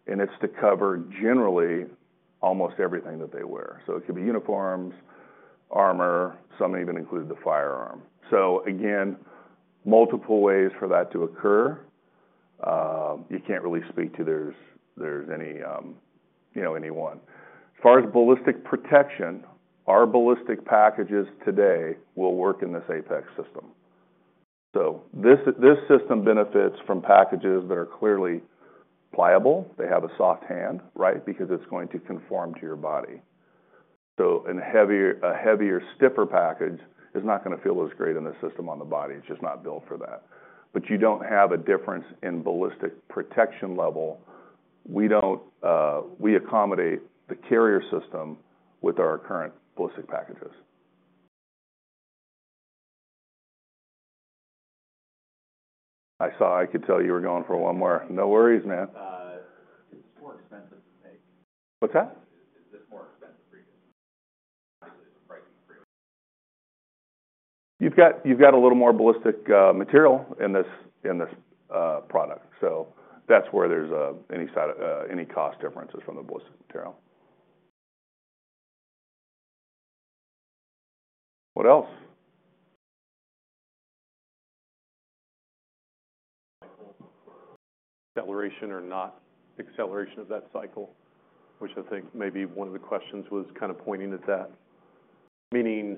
and it's to cover generally almost everything that they wear. So it could be uniforms, armor, some even include the firearm. So again, multiple ways for that to occur. You can't really speak to there's, there's any, you know, anyone. As far as ballistic protection, our ballistic packages today will work in this APEX system. So this, this system benefits from packages that are clearly pliable. They have a soft hand, right? Because it's going to conform to your body. So a heavier, a heavier, stiffer package is not gonna feel as great in this system on the body. It's just not built for that. But you don't have a difference in ballistic protection level. We don't, we accommodate the carrier system with our current ballistic packages. I saw I could tell you were going for one more. No worries, man. It's more expensive to make. What's that? Is this more expensive for you? Obviously, it's pricing free. You've got, you've got a little more ballistic, material in this, in this, product. So that's where there's, any side, any cost differences from the ballistic material. What else? Cycle. Acceleration or not acceleration of that cycle, which I think maybe one of the questions was kind of pointing at that. Meaning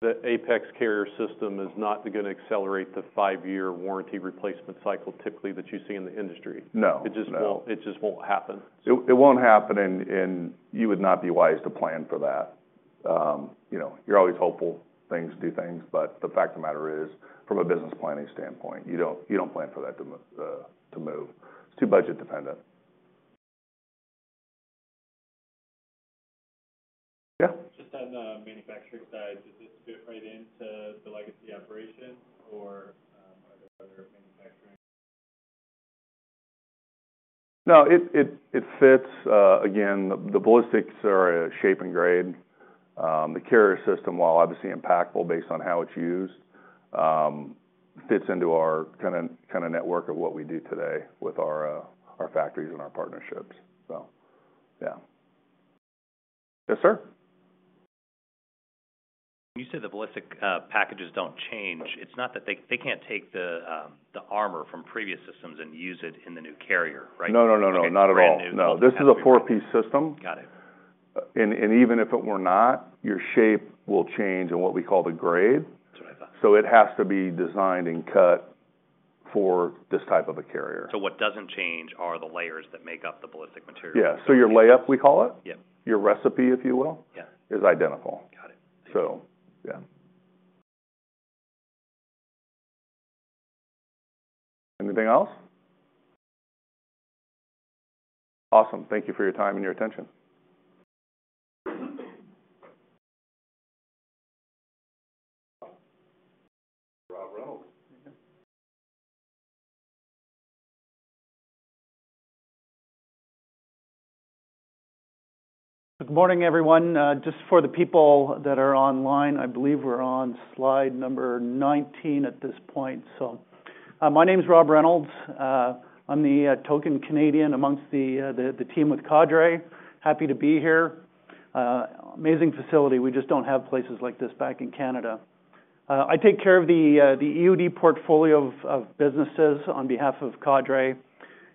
the Apex carrier system is not gonna accelerate the five-year warranty replacement cycle typically that you see in the industry. No. It just won't. It, it won't happen, and, and you would not be wise to plan for that. You know, you're always hopeful things do things, but the fact of the matter is from a business planning standpoint, you don't, you don't plan for that to, to move. It's too budget-dependent. Yeah. Just on the manufacturing side, does this fit right into the legacy operation, or, are there other manufacturing? No, it, it, it fits. Again, the ballistics are a shape and grade. The carrier system, while obviously impactful based on how it's used, fits into our kind of, kind of network of what we do today with our, our factories and our partnerships. So yeah. Yes, sir. When you say the ballistic packages don't change, it's not that they, they can't take the, the armor from previous systems and use it in the new carrier, right? No, no, no, no. Not at all. No. This is a 4-piece system. Got it. Even if it were not, your shape will change in what we call the grade. That's what I thought. So it has to be designed and cut for this type of a carrier. So what doesn't change are the layers that make up the ballistic material. Yeah. So your layup, we call it. Yeah. Your recipe, if you will. Yeah. Is identical. Got it. So yeah. Anything else? Awesome. Thank you for your time and your attention. Rob Reynolds. Good morning, everyone. Just for the people that are online, I believe we're on slide number 19 at this point. So, my name's Rob Reynolds. I'm the token Canadian amongst the team with Cadre. Happy to be here. Amazing facility. We just don't have places like this back in Canada. I take care of the EOD portfolio of businesses on behalf of Cadre.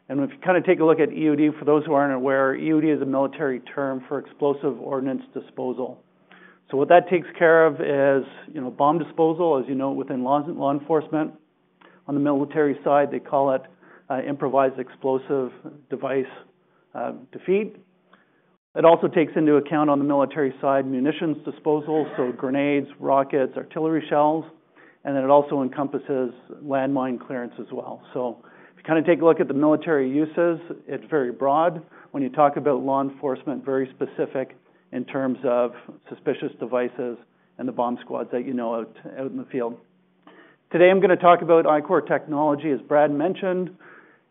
If you kind of take a look at EOD, for those who aren't aware, EOD is a military term for explosive ordnance disposal. So what that takes care of is, you know, bomb disposal, as you know, within law enforcement. On the military side, they call it improvised explosive device defeat. It also takes into account on the military side munitions disposal, so grenades, rockets, artillery shells. And then it also encompasses landmine clearance as well. So if you kind of take a look at the military uses, it's very broad. When you talk about law enforcement, very specific in terms of suspicious devices and the bomb squads that you know out in the field. Today I'm gonna talk about ICOR Technology, as Brad mentioned.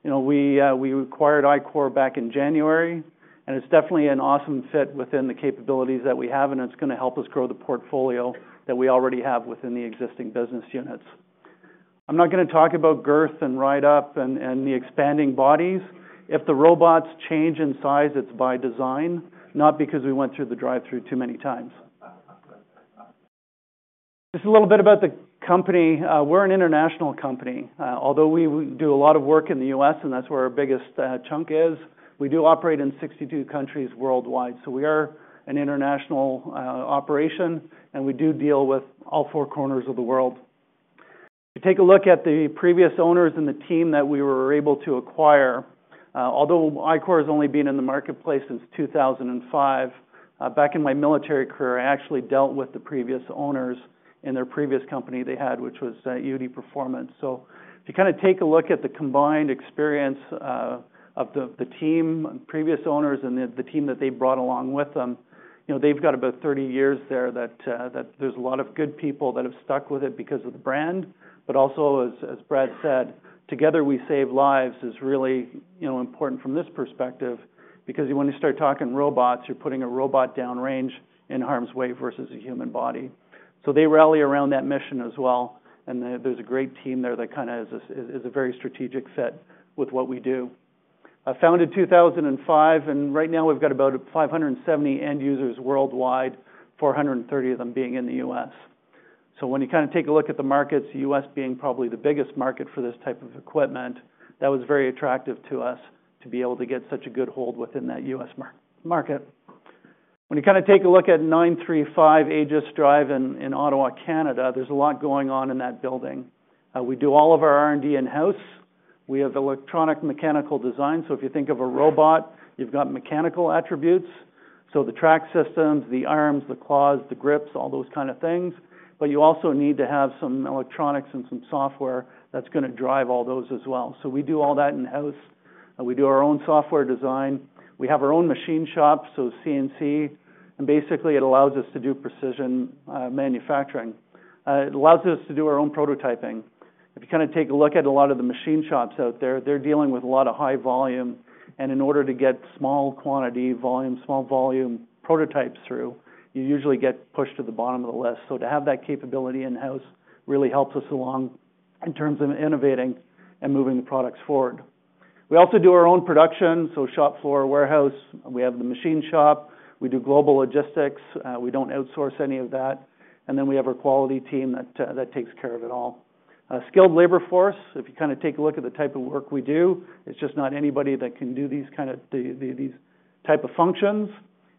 You know, we acquired ICOR back in January, and it's definitely an awesome fit within the capabilities that we have, and it's gonna help us grow the portfolio that we already have within the existing business units. I'm not gonna talk about girth and ride-up and the expanding bodies. If the robots change in size, it's by design, not because we went through the drive-through too many times. Just a little bit about the company. We're an international company. Although we do a lot of work in the U.S., and that's where our biggest chunk is, we do operate in 62 countries worldwide. So we are an international operation, and we do deal with all four corners of the world. If you take a look at the previous owners and the team that we were able to acquire, although ICOR has only been in the marketplace since 2005, back in my military career, I actually dealt with the previous owners and their previous company they had, which was EOD Performance. So if you kind of take a look at the combined experience of the team, previous owners, and the team that they brought along with them, you know, they've got about 30 years there that there's a lot of good people that have stuck with it because of the brand. But also, as Brad said, together we save lives is really, you know, important from this perspective because when you start talking robots, you're putting a robot downrange in harm's way versus a human body. So they rally around that mission as well. And there's a great team there that kind of is a very strategic fit with what we do. Founded 2005, and right now we've got about 570 end users worldwide, 430 of them being in the U.S. So when you kind of take a look at the markets, U.S. being probably the biggest market for this type of equipment, that was very attractive to us to be able to get such a good hold within that U.S. market. When you kind of take a look at 935 Ages Drive in Ottawa, Canada, there's a lot going on in that building. We do all of our R&D in-house. We have electronic mechanical design. So if you think of a robot, you've got mechanical attributes. So the track systems, the arms, the claws, the grips, all those kind of things. But you also need to have some electronics and some software that's gonna drive all those as well. So we do all that in-house. We do our own software design. We have our own machine shop, so CNC, and basically it allows us to do precision manufacturing. It allows us to do our own prototyping. If you kind of take a look at a lot of the machine shops out there, they're dealing with a lot of high volume. In order to get small quantity volume, small volume prototypes through, you usually get pushed to the bottom of the list. So to have that capability in-house really helps us along in terms of innovating and moving the products forward. We also do our own production, so shop floor, warehouse. We have the machine shop. We do global logistics. We don't outsource any of that. Then we have our quality team that takes care of it all. Skilled labor force. If you kind of take a look at the type of work we do, it's just not anybody that can do these kind of these type of functions.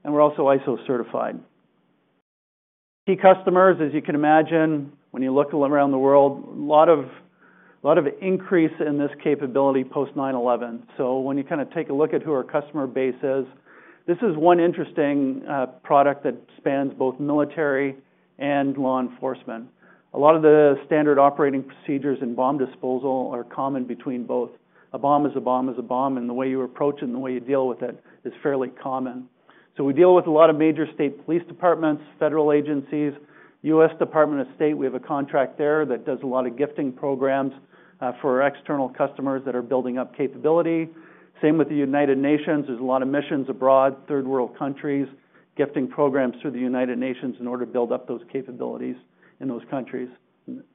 We're also ISO certified. Key customers, as you can imagine, when you look around the world, a lot of, a lot of increase in this capability post 9/11. So when you kind of take a look at who our customer base is, this is one interesting product that spans both military and law enforcement. A lot of the standard operating procedures in bomb disposal are common between both. A bomb is a bomb is a bomb, and the way you approach it and the way you deal with it is fairly common. So we deal with a lot of major state police departments, federal agencies, US Department of State. We have a contract there that does a lot of gifting programs, for external customers that are building up capability. Same with the United Nations. There's a lot of missions abroad, third world countries, gifting programs through the United Nations in order to build up those capabilities in those countries. From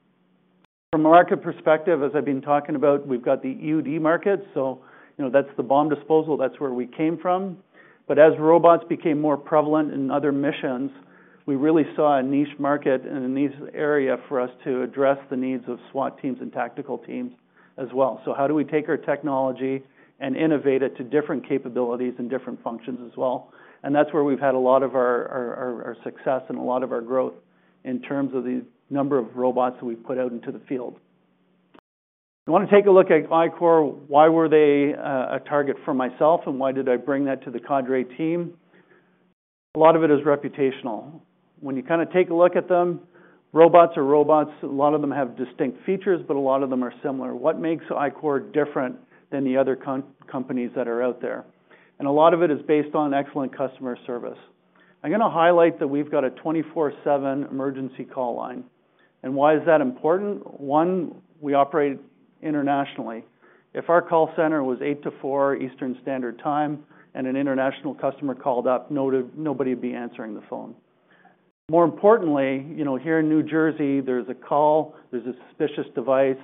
a market perspective, as I've been talking about, we've got the EOD market. So, you know, that's the bomb disposal. That's where we came from. But as robots became more prevalent in other missions, we really saw a niche market in this area for us to address the needs of SWAT teams and tactical teams as well. So how do we take our technology and innovate it to different capabilities and different functions as well? That's where we've had a lot of our success and a lot of our growth in terms of the number of robots that we've put out into the field. I wanna take a look at ICOR. Why were they a target for myself, and why did I bring that to the Cadre team? A lot of it is reputational. When you kind of take a look at them, robots are robots. A lot of them have distinct features, but a lot of them are similar. What makes ICOR different than the other companies that are out there? And a lot of it is based on excellent customer service. I'm gonna highlight that we've got a 24/7 emergency call line. And why is that important? One, we operate internationally. If our call center was 8:00 to 4:00 Eastern Standard Time and an international customer called up, nobody, nobody would be answering the phone. More importantly, you know, here in New Jersey, there's a call, there's a suspicious device.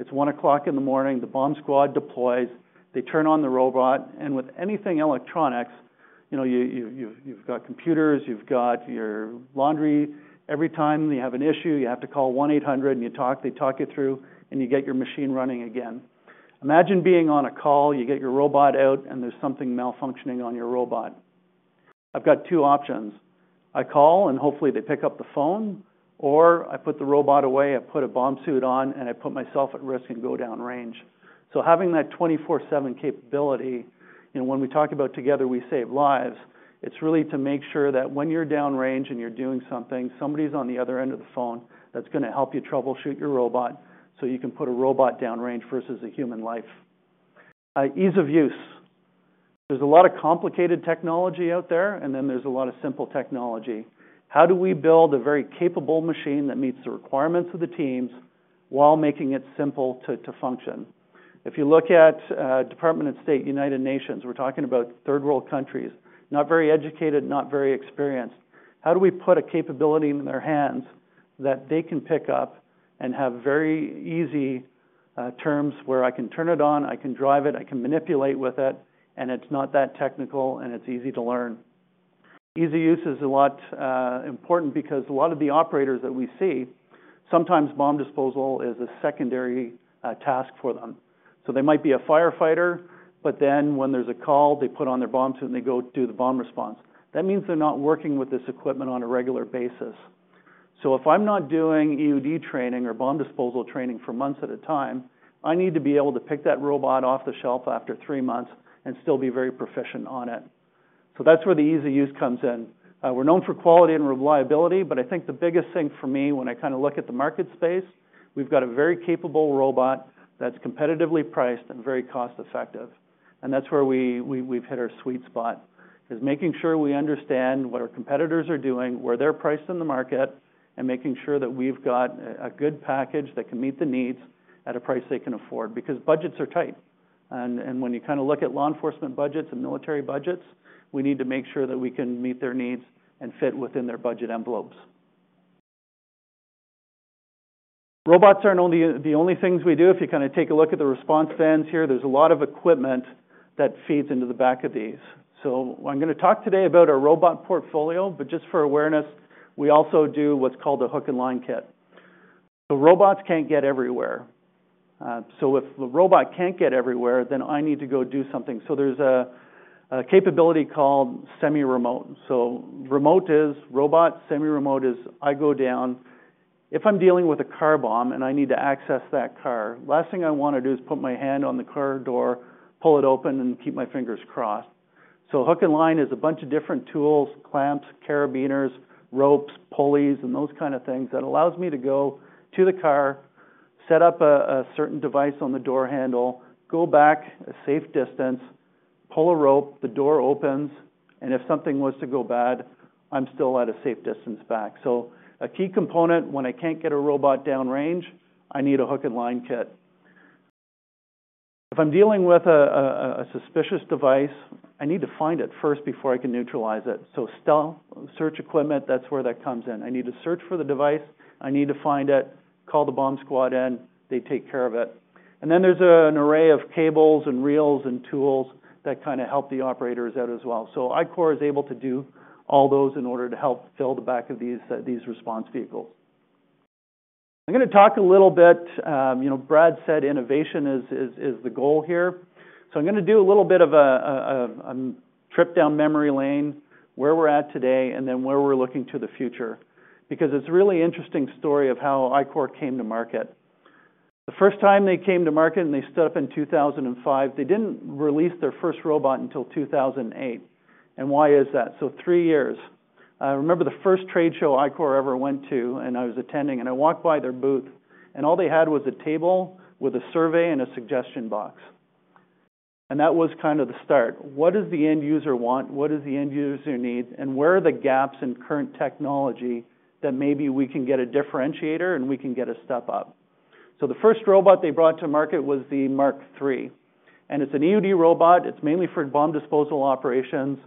It's 1:00 A.M. The bomb squad deploys. They turn on the robot. And with anything electronics, you know, you, you, you, you've got computers, you've got your laundry. Every time you have an issue, you have to call 1-800 and you talk, they talk you through and you get your machine running again. Imagine being on a call, you get your robot out, and there's something malfunctioning on your robot. I've got two options. I call and hopefully they pick up the phone, or I put the robot away, I put a bomb suit on, and I put myself at risk and go downrange. So having that 24/7 capability, you know, when we talk about together we save lives, it's really to make sure that when you're downrange and you're doing something, somebody's on the other end of the phone that's gonna help you troubleshoot your robot so you can put a robot downrange versus a human life. Ease of use. There's a lot of complicated technology out there, and then there's a lot of simple technology. How do we build a very capable machine that meets the requirements of the teams while making it simple to function? If you look at U.S. Department of State, United Nations, we're talking about third world countries, not very educated, not very experienced. How do we put a capability in their hands that they can pick up and have very easy terms where I can turn it on, I can drive it, I can manipulate with it, and it's not that technical and it's easy to learn? Ease of use is a lot important because a lot of the operators that we see, sometimes bomb disposal is a secondary task for them. So they might be a firefighter, but then when there's a call, they put on their bomb suit and they go do the bomb response. That means they're not working with this equipment on a regular basis. So if I'm not doing EOD training or bomb disposal training for months at a time, I need to be able to pick that robot off the shelf after three months and still be very proficient on it. So that's where the ease of use comes in. We're known for quality and reliability, but I think the biggest thing for me when I kind of look at the market space, we've got a very capable robot that's competitively priced and very cost-effective. That's where we, we, we've hit our sweet spot is making sure we understand what our competitors are doing, where they're priced in the market, and making sure that we've got a good package that can meet the needs at a price they can afford because budgets are tight. When you kind of look at law enforcement budgets and military budgets, we need to make sure that we can meet their needs and fit within their budget envelopes. Robots aren't only the only things we do. If you kind of take a look at the response vans here, there's a lot of equipment that feeds into the back of these. So I'm gonna talk today about our robot portfolio, but just for awareness, we also do what's called a hook and line kit. So robots can't get everywhere. So if the robot can't get everywhere, then I need to go do something. So there's a capability called semi-remote. So remote is robot, semi-remote is I go down. If I'm dealing with a car bomb and I need to access that car, the last thing I wanna do is put my hand on the car door, pull it open, and keep my fingers crossed. So hook and line is a bunch of different tools, clamps, carabiners, ropes, pulleys, and those kind of things that allows me to go to the car, set up a certain device on the door handle, go back a safe distance, pull a rope, the door opens, and if something was to go bad, I'm still at a safe distance back. So a key component when I can't get a robot downrange, I need a hook and line kit. If I'm dealing with a suspicious device, I need to find it first before I can neutralize it. So stealth search equipment, that's where that comes in. I need to search for the device. I need to find it, call the bomb squad in, they take care of it. And then there's an array of cables and reels and tools that kind of help the operators out as well. So ICOR is able to do all those in order to help fill the back of these response vehicles. I'm gonna talk a little bit, you know, Brad said innovation is the goal here. So I'm gonna do a little bit of a trip down memory lane where we're at today and then where we're looking to the future because it's a really interesting story of how ICOR came to market. The first time they came to market and they stood up in 2005, they didn't release their first robot until 2008. And why is that? So three years. I remember the first trade show ICOR ever went to, and I was attending, and I walked by their booth, and all they had was a table with a survey and a suggestion box. And that was kind of the start. What does the end user want? What does the end user need? And where are the gaps in current technology that maybe we can get a differentiator and we can get a step up? So the first robot they brought to market was the Mark 3. And it's an EOD robot. It's mainly for bomb disposal operations.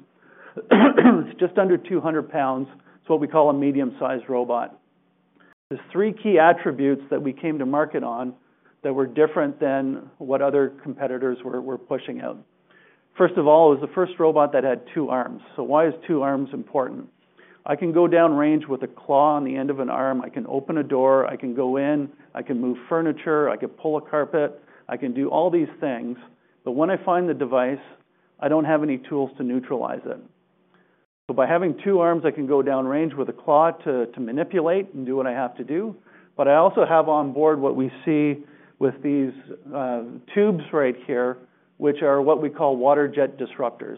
It's just under 200 pounds. It's what we call a medium-sized robot. There's three key attributes that we came to market on that were different than what other competitors were, were pushing out. First of all, it was the first robot that had two arms. So why is two arms important? I can go downrange with a claw on the end of an arm. I can open a door. I can go in. I can move furniture. I can pull a carpet. I can do all these things. But when I find the device, I don't have any tools to neutralize it. So by having two arms, I can go downrange with a claw to manipulate and do what I have to do. But I also have on board what we see with these tubes right here, which are what we call water jet disruptors.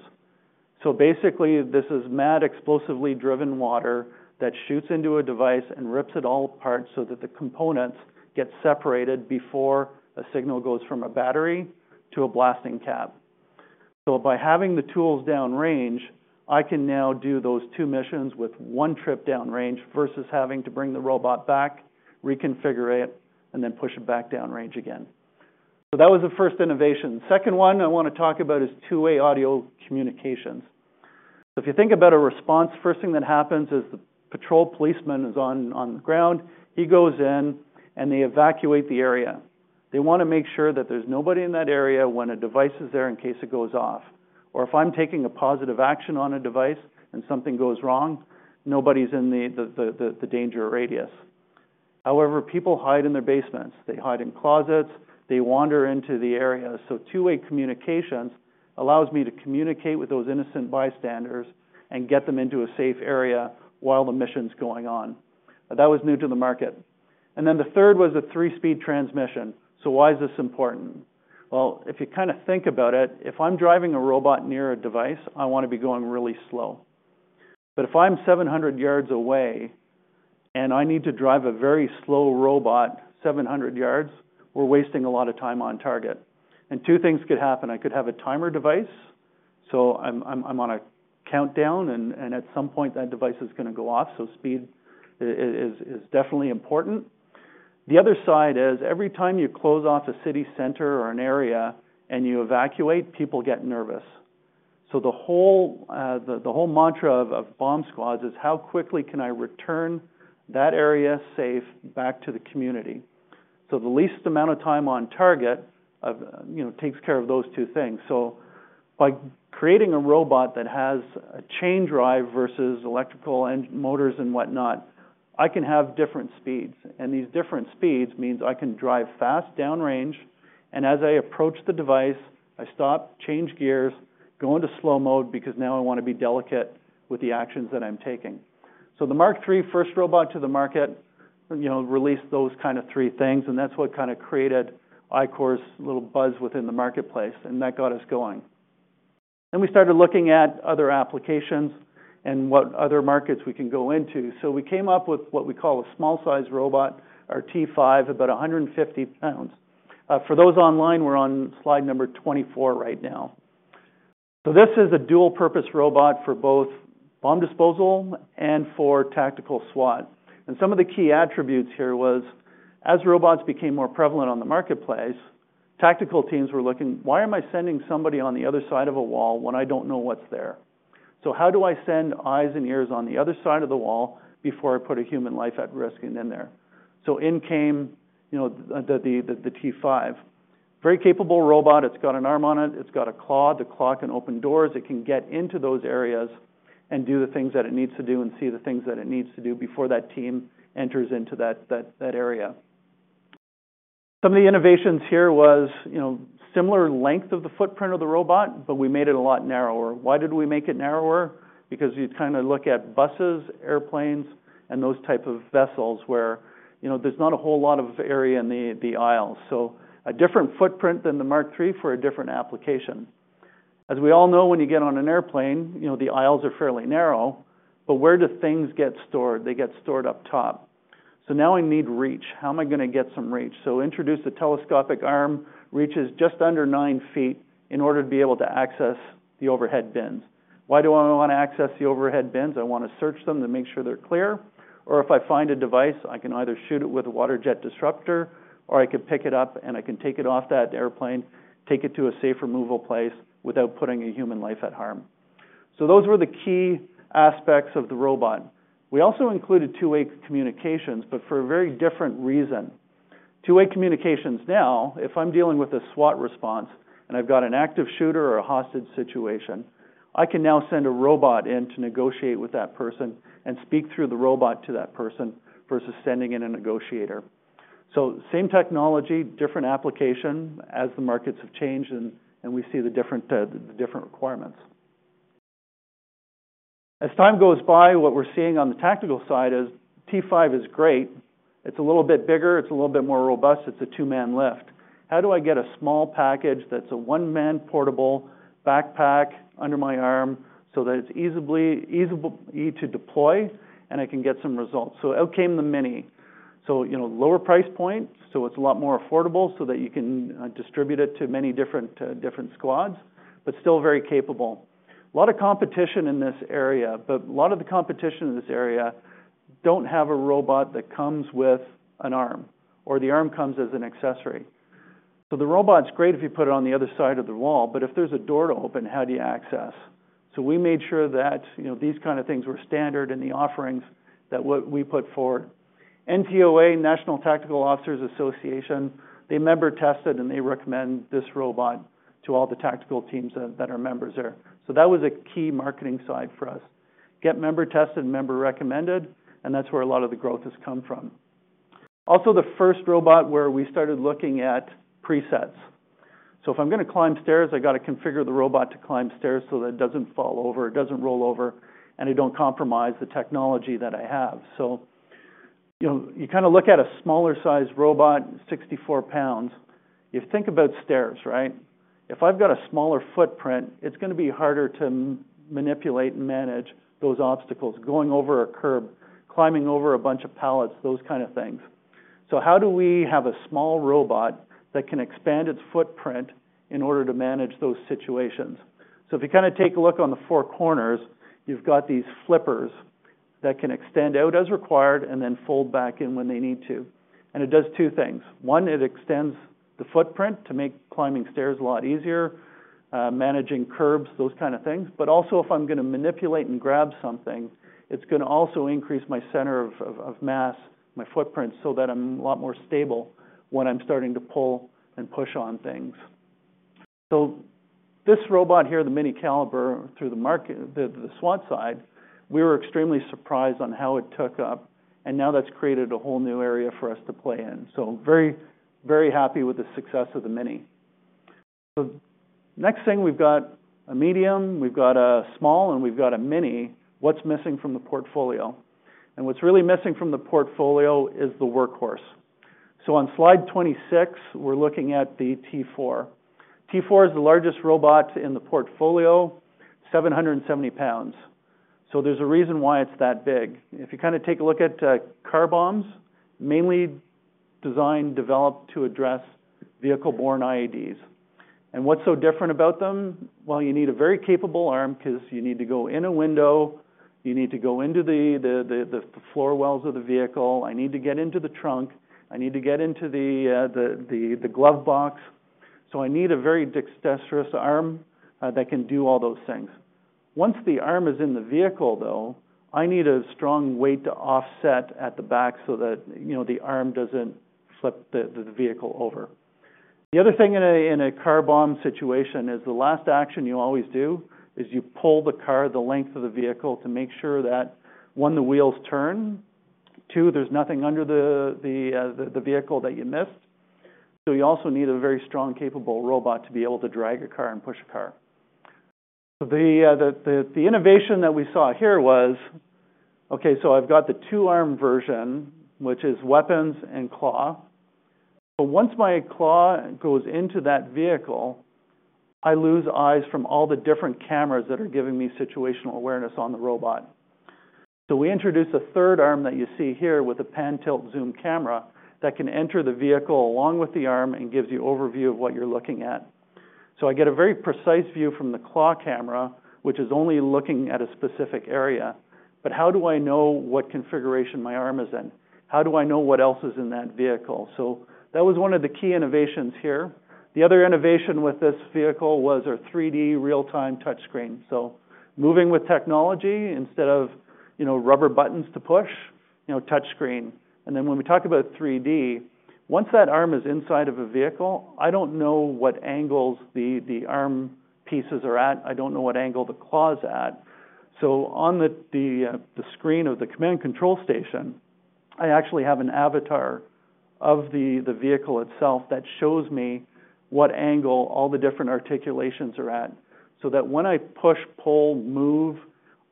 So basically, this is mad explosively driven water that shoots into a device and rips it all apart so that the components get separated before a signal goes from a battery to a blasting cap. So by having the tools downrange, I can now do those two missions with one trip downrange versus having to bring the robot back, reconfigure it, and then push it back downrange again. So that was the first innovation. Second one I wanna talk about is two-way audio communications. So if you think about a response, first thing that happens is the patrol policeman is on the ground. He goes in and they evacuate the area. They wanna make sure that there's nobody in that area when a device is there in case it goes off. Or if I'm taking a positive action on a device and something goes wrong, nobody's in the danger radius. However, people hide in their basements. They hide in closets. They wander into the area. So two-way communications allows me to communicate with those innocent bystanders and get them into a safe area while the mission's going on. That was new to the market. And then the third was a three-speed transmission. So why is this important? Well, if you kind of think about it, if I'm driving a robot near a device, I wanna be going really slow. But if I'm 700 yards away and I need to drive a very slow robot 700 yards, we're wasting a lot of time on target. And two things could happen. I could have a timer device. So I'm on a countdown and at some point that device is gonna go off. So speed is definitely important. The other side is every time you close off a city center or an area and you evacuate, people get nervous. So the whole mantra of bomb squads is how quickly can I return that area safe back to the community? So the least amount of time on target, you know, takes care of those two things. So by creating a robot that has a chain drive versus electrical and motors and whatnot, I can have different speeds. And these different speeds means I can drive fast downrange. And as I approach the device, I stop, change gears, go into slow mode because now I wanna be delicate with the actions that I'm taking. So the Mark 3 first robot to the market, you know, released those kind of three things. And that's what kind of created ICOR's little buzz within the marketplace. And that got us going. Then we started looking at other applications and what other markets we can go into. So we came up with what we call a small-sized robot, our T5, about 150 lbs. For those online, we're on slide number 24 right now. So this is a dual-purpose robot for both bomb disposal and for tactical SWAT. And some of the key attributes here was as robots became more prevalent on the marketplace, tactical teams were looking, why am I sending somebody on the other side of a wall when I don't know what's there? So how do I send eyes and ears on the other side of the wall before I put a human life at risk in there? So in came, you know, the T5. Very capable robot. It's got an arm on it. It's got a claw. The claw can open doors. It can get into those areas and do the things that it needs to do and see the things that it needs to do before that team enters into that area. Some of the innovations here was, you know, similar length of the footprint of the robot, but we made it a lot narrower. Why did we make it narrower? Because you'd kind of look at buses, airplanes, and those types of vessels where, you know, there's not a whole lot of area in the aisle. So a different footprint than the Mark 3 for a different application. As we all know, when you get on an airplane, you know, the aisles are fairly narrow, but where do things get stored? They get stored up top. So now I need reach. How am I gonna get some reach? So, introduce the telescopic arm, reaches just under 9ft in order to be able to access the overhead bins. Why do I wanna access the overhead bins? I wanna search them to make sure they're clear. Or if I find a device, I can either shoot it with a water jet disruptor or I could pick it up and I can take it off that airplane, take it to a safe removal place without putting a human life at harm. So those were the key aspects of the robot. We also included two-way communications, but for a very different reason. Two-way communications now, if I'm dealing with a SWAT response and I've got an active shooter or a hostage situation, I can now send a robot in to negotiate with that person and speak through the robot to that person versus sending in a negotiator. So same technology, different application as the markets have changed and we see the different requirements. As time goes by, what we're seeing on the tactical side is T5 is great. It's a little bit bigger. It's a little bit more robust. It's a two-man lift. How do I get a small package that's a one-man portable backpack under my arm so that it's easily to deploy and I can get some results? So out came the Mini. So, you know, lower price point, so it's a lot more affordable so that you can distribute it to many different squads, but still very capable. A lot of competition in this area, but a lot of the competition in this area don't have a robot that comes with an arm or the arm comes as an accessory. So the robot's great if you put it on the other side of the wall, but if there's a door to open, how do you access? So we made sure that, you know, these kind of things were standard in the offerings that what we put forward. NTOA, National Tactical Officers Association, they member tested and they recommend this robot to all the tactical teams that are members there. So that was a key marketing side for us. Get member tested and member recommended, and that's where a lot of the growth has come from. Also, the first robot where we started looking at presets. So if I'm gonna climb stairs, I gotta configure the robot to climb stairs so that it doesn't fall over, it doesn't roll over, and it don't compromise the technology that I have. So, you know, you kind of look at a smaller-sized robot, 64 pounds. You think about stairs, right? If I've got a smaller footprint, it's gonna be harder to manipulate and manage those obstacles, going over a curb, climbing over a bunch of pallets, those kind of things. So how do we have a small robot that can expand its footprint in order to manage those situations? So if you kind of take a look on the 4 corners, you've got these flippers that can extend out as required and then fold back in when they need to. And it does 2 things. One, it extends the footprint to make climbing stairs a lot easier, managing curbs, those kind of things. But also, if I'm gonna manipulate and grab something, it's gonna also increase my center of mass, my footprint, so that I'm a lot more stable when I'm starting to pull and push on things. So this robot here, the CALIBER Mini through the market, the SWAT side, we were extremely surprised on how it took up. And now that's created a whole new area for us to play in. So very, very happy with the success of the mini. So next thing, we've got a medium, we've got a small, and we've got a Mini. What's missing from the portfolio? And what's really missing from the portfolio is the workhorse. So on slide 26, we're looking at the T4. T4 is the largest robot in the portfolio, 770 pounds. So there's a reason why it's that big. If you kind of take a look at car bombs, mainly designed, developed to address vehicle-borne IEDs. And what's so different about them? Well, you need a very capable arm 'cause you need to go in a window, you need to go into the floor wells of the vehicle. I need to get into the trunk. I need to get into the glove box. So I need a very dexterous arm that can do all those things. Once the arm is in the vehicle, though, I need a strong weight to offset at the back so that, you know, the arm doesn't flip the vehicle over. The other thing in a car bomb situation is the last action you always do is you pull the car the length of the vehicle to make sure that, one, the wheels turn, two, there's nothing under the vehicle that you missed. So you also need a very strong, capable robot to be able to drag a car and push a car. So the innovation that we saw here was, okay, so I've got the two-arm version, which is weapons and claw. But once my claw goes into that vehicle, I lose eyes from all the different cameras that are giving me situational awareness on the robot. So we introduced a third arm that you see here with a pan-tilt-zoom camera that can enter the vehicle along with the arm and gives you overview of what you're looking at. So I get a very precise view from the claw camera, which is only looking at a specific area. But how do I know what configuration my arm is in? How do I know what else is in that vehicle? So that was one of the key innovations here. The other innovation with this vehicle was our 3D real-time touchscreen. So moving with technology instead of, you know, rubber buttons to push, you know, touchscreen. And then when we talk about 3D, once that arm is inside of a vehicle, I don't know what angles the arm pieces are at. I don't know what angle the claw's at. So on the screen of the command control station, I actually have an avatar of the vehicle itself that shows me what angle all the different articulations are at so that when I push, pull, move,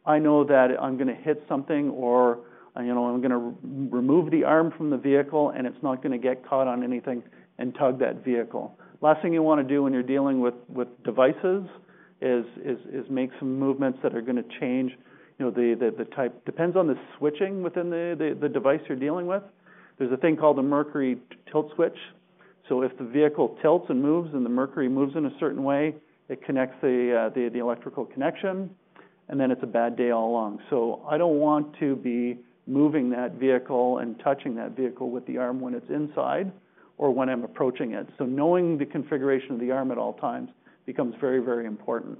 I know that I'm gonna hit something or, you know, I'm gonna remove the arm from the vehicle and it's not gonna get caught on anything and tug that vehicle. Last thing you wanna do when you're dealing with devices is make some movements that are gonna change, you know, the type. Depends on the switching within the device you're dealing with. There's a thing called a Mercury tilt switch. So if the vehicle tilts and moves and the Mercury moves in a certain way, it connects the electrical connection, and then it's a bad day all along. So I don't want to be moving that vehicle and touching that vehicle with the arm when it's inside or when I'm approaching it. So knowing the configuration of the arm at all times becomes very, very important.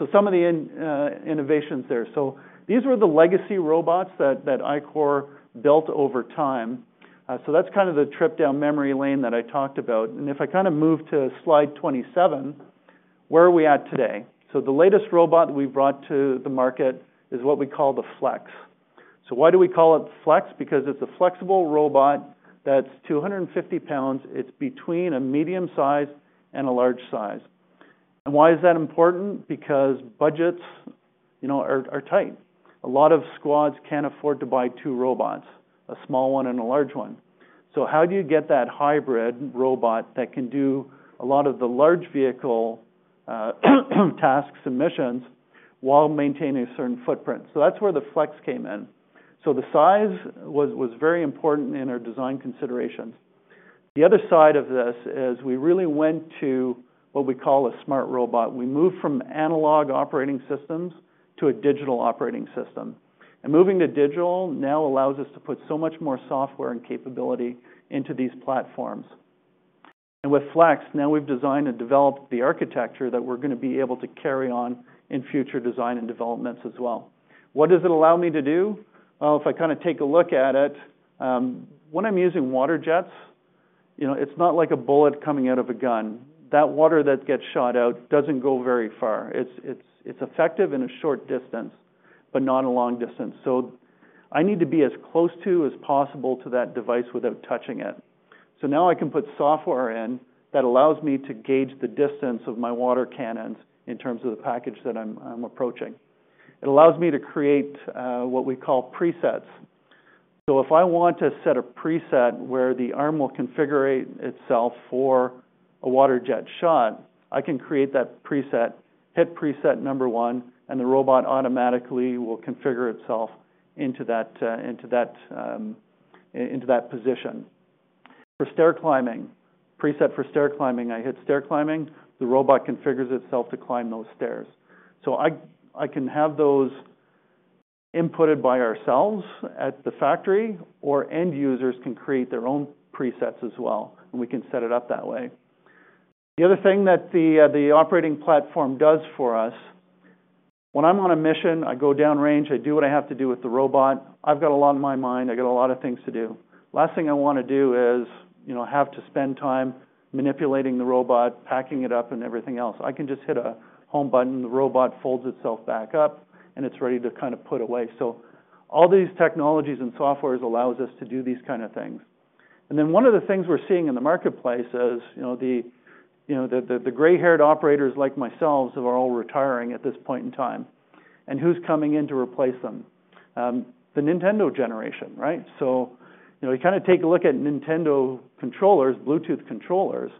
So some of the innovations there. So these were the legacy robots that ICOR built over time. So that's kind of the trip down memory lane that I talked about. And if I kind of move to slide 27, where are we at today? So the latest robot that we've brought to the market is what we call the Flex. So why do we call it Flex? Because it's a flexible robot that's 250 pounds. It's between a medium size and a large size. And why is that important? Because budgets, you know, are tight. A lot of squads can't afford to buy two robots, a small one and a large one. So how do you get that hybrid robot that can do a lot of the large vehicle tasks and missions while maintaining a certain footprint? So that's where the Flex came in. So the size was very important in our design considerations. The other side of this is we really went to what we call a smart robot. We moved from analog operating systems to a digital operating system. And moving to digital now allows us to put so much more software and capability into these platforms. And with Flex, now we've designed and developed the architecture that we're gonna be able to carry on in future design and developments as well. What does it allow me to do? Well, if I kind of take a look at it, when I'm using water jets, you know, it's not like a bullet coming out of a gun. That water that gets shot out doesn't go very far. It's effective in a short distance, but not a long distance. So I need to be as close to as possible to that device without touching it. So now I can put software in that allows me to gauge the distance of my water cannons in terms of the package that I'm approaching. It allows me to create, what we call presets. So if I want to set a preset where the arm will configure itself for a water jet shot, I can create that preset, hit preset number one, and the robot automatically will configure itself into that position. For stair climbing, preset for stair climbing, I hit stair climbing, the robot configures itself to climb those stairs. So I can have those inputted by ourselves at the factory or end users can create their own presets as well, and we can set it up that way. The other thing that the operating platform does for us, when I'm on a mission, I go down range, I do what I have to do with the robot. I've got a lot on my mind. I got a lot of things to do. Last thing I wanna do is, you know, have to spend time manipulating the robot, packing it up, and everything else. I can just hit a home button, the robot folds itself back up, and it's ready to kind of put away. So all these technologies and softwares allow us to do these kind of things. Then one of the things we're seeing in the marketplace is, you know, the gray-haired operators like myself are all retiring at this point in time. And who's coming in to replace them? The Nintendo generation, right? So, you know, you kind of take a look at Nintendo controllers, Bluetooth controllers.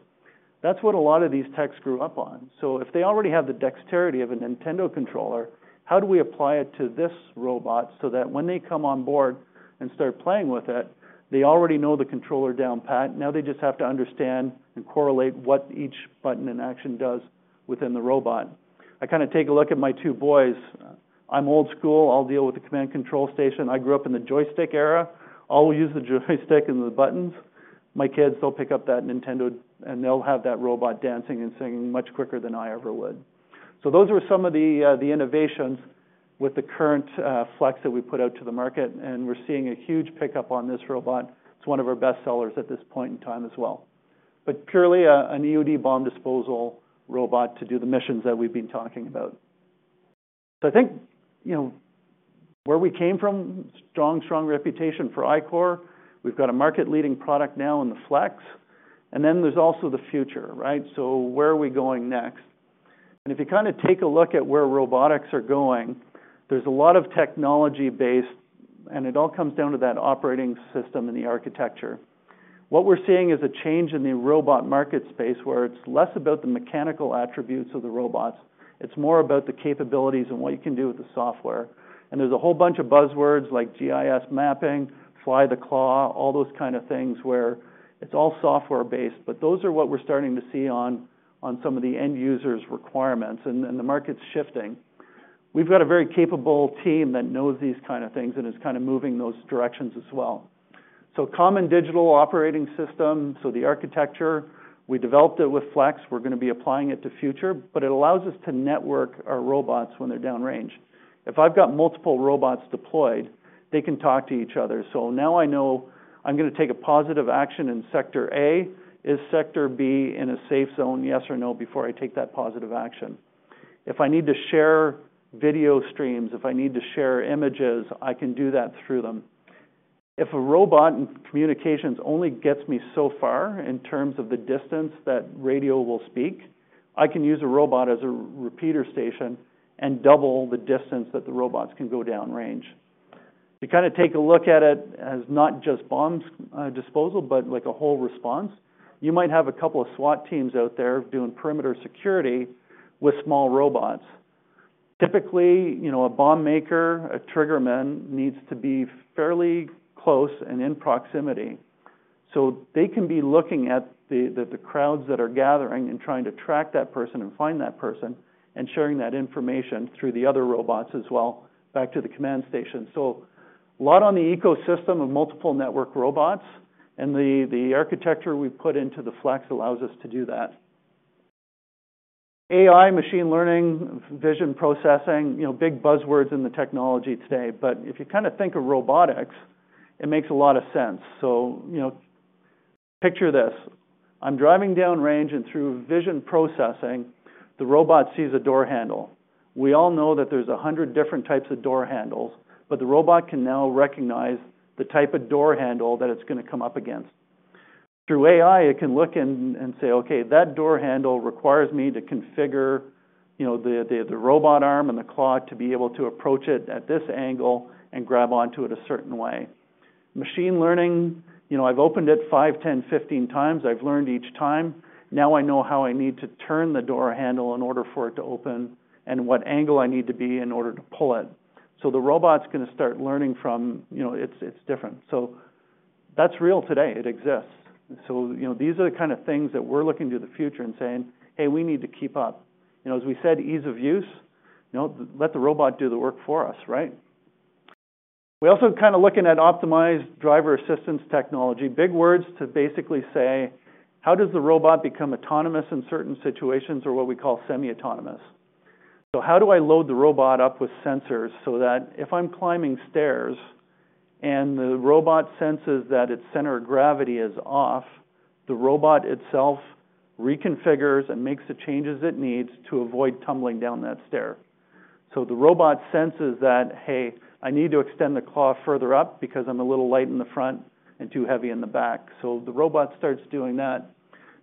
That's what a lot of these techs grew up on. So if they already have the dexterity of a Nintendo controller, how do we apply it to this robot so that when they come on board and start playing with it, they already know the controller down pat? Now they just have to understand and correlate what each button and action does within the robot. I kind of take a look at my two boys. I'm old school. I'll deal with the command control station. I grew up in the joystick era. I'll use the joystick and the buttons. My kids, they'll pick up that Nintendo and they'll have that robot dancing and singing much quicker than I ever would. So those are some of the innovations with the current Flex that we put out to the market, and we're seeing a huge pickup on this robot. It's one of our best sellers at this point in time as well. But purely an EOD bomb disposal robot to do the missions that we've been talking about. So I think, you know, where we came from, strong, strong reputation for ICOR. We've got a market-leading product now in the Flex. And then there's also the future, right? So where are we going next? And if you kind of take a look at where robotics are going, there's a lot of technology-based, and it all comes down to that operating system and the architecture. What we're seeing is a change in the robot market space where it's less about the mechanical attributes of the robots. It's more about the capabilities and what you can do with the software. And there's a whole bunch of buzzwords like GIS mapping, fly the claw, all those kind of things where it's all software-based, but those are what we're starting to see on, on some of the end users' requirements. And, and the market's shifting. We've got a very capable team that knows these kind of things and is kind of moving those directions as well. So common digital operating system, so the architecture, we developed it with Flex. We're gonna be applying it to future, but it allows us to network our robots when they're down range. If I've got multiple robots deployed, they can talk to each other. So now I know I'm gonna take a positive action in sector A. Is sector B in a safe zone? Yes or no before I take that positive action. If I need to share video streams, if I need to share images, I can do that through them. If a robot and communications only gets me so far in terms of the distance that radio will speak, I can use a robot as a repeater station and double the distance that the robots can go down range. You kind of take a look at it as not just bomb disposal, but like a whole response. You might have a couple of SWAT teams out there doing perimeter security with small robots. Typically, you know, a bomb maker, a trigger man needs to be fairly close and in proximity. So they can be looking at the crowds that are gathering and trying to track that person and find that person and sharing that information through the other robots as well back to the command station. So a lot on the ecosystem of multiple network robots and the architecture we put into the Flex allows us to do that. AI, machine learning, vision processing, you know, big buzzwords in the technology today. But if you kind of think of robotics, it makes a lot of sense. So, you know, picture this. I'm driving down range and through vision processing, the robot sees a door handle. We all know that there's 100 different types of door handles, but the robot can now recognize the type of door handle that it's gonna come up against. Through AI, it can look and say, okay, that door handle requires me to configure, you know, the robot arm and the claw to be able to approach it at this angle and grab onto it a certain way. Machine learning, you know, I've opened it 5x, 10x, 15x. I've learned each time. Now I know how I need to turn the door handle in order for it to open and what angle I need to be in order to pull it. So the robot's gonna start learning from, you know, it's different. So that's real today. It exists. So, you know, these are the kind of things that we're looking to the future and saying, hey, we need to keep up. You know, as we said, ease of use, you know, let the robot do the work for us, right? We're also kind of looking at optimized driver assistance technology. Big words to basically say, how does the robot become autonomous in certain situations or what we call semi-autonomous? So how do I load the robot up with sensors so that if I'm climbing stairs and the robot senses that its center of gravity is off, the robot itself reconfigures and makes the changes it needs to avoid tumbling down that stair? So the robot senses that, hey, I need to extend the claw further up because I'm a little light in the front and too heavy in the back. So the robot starts doing that.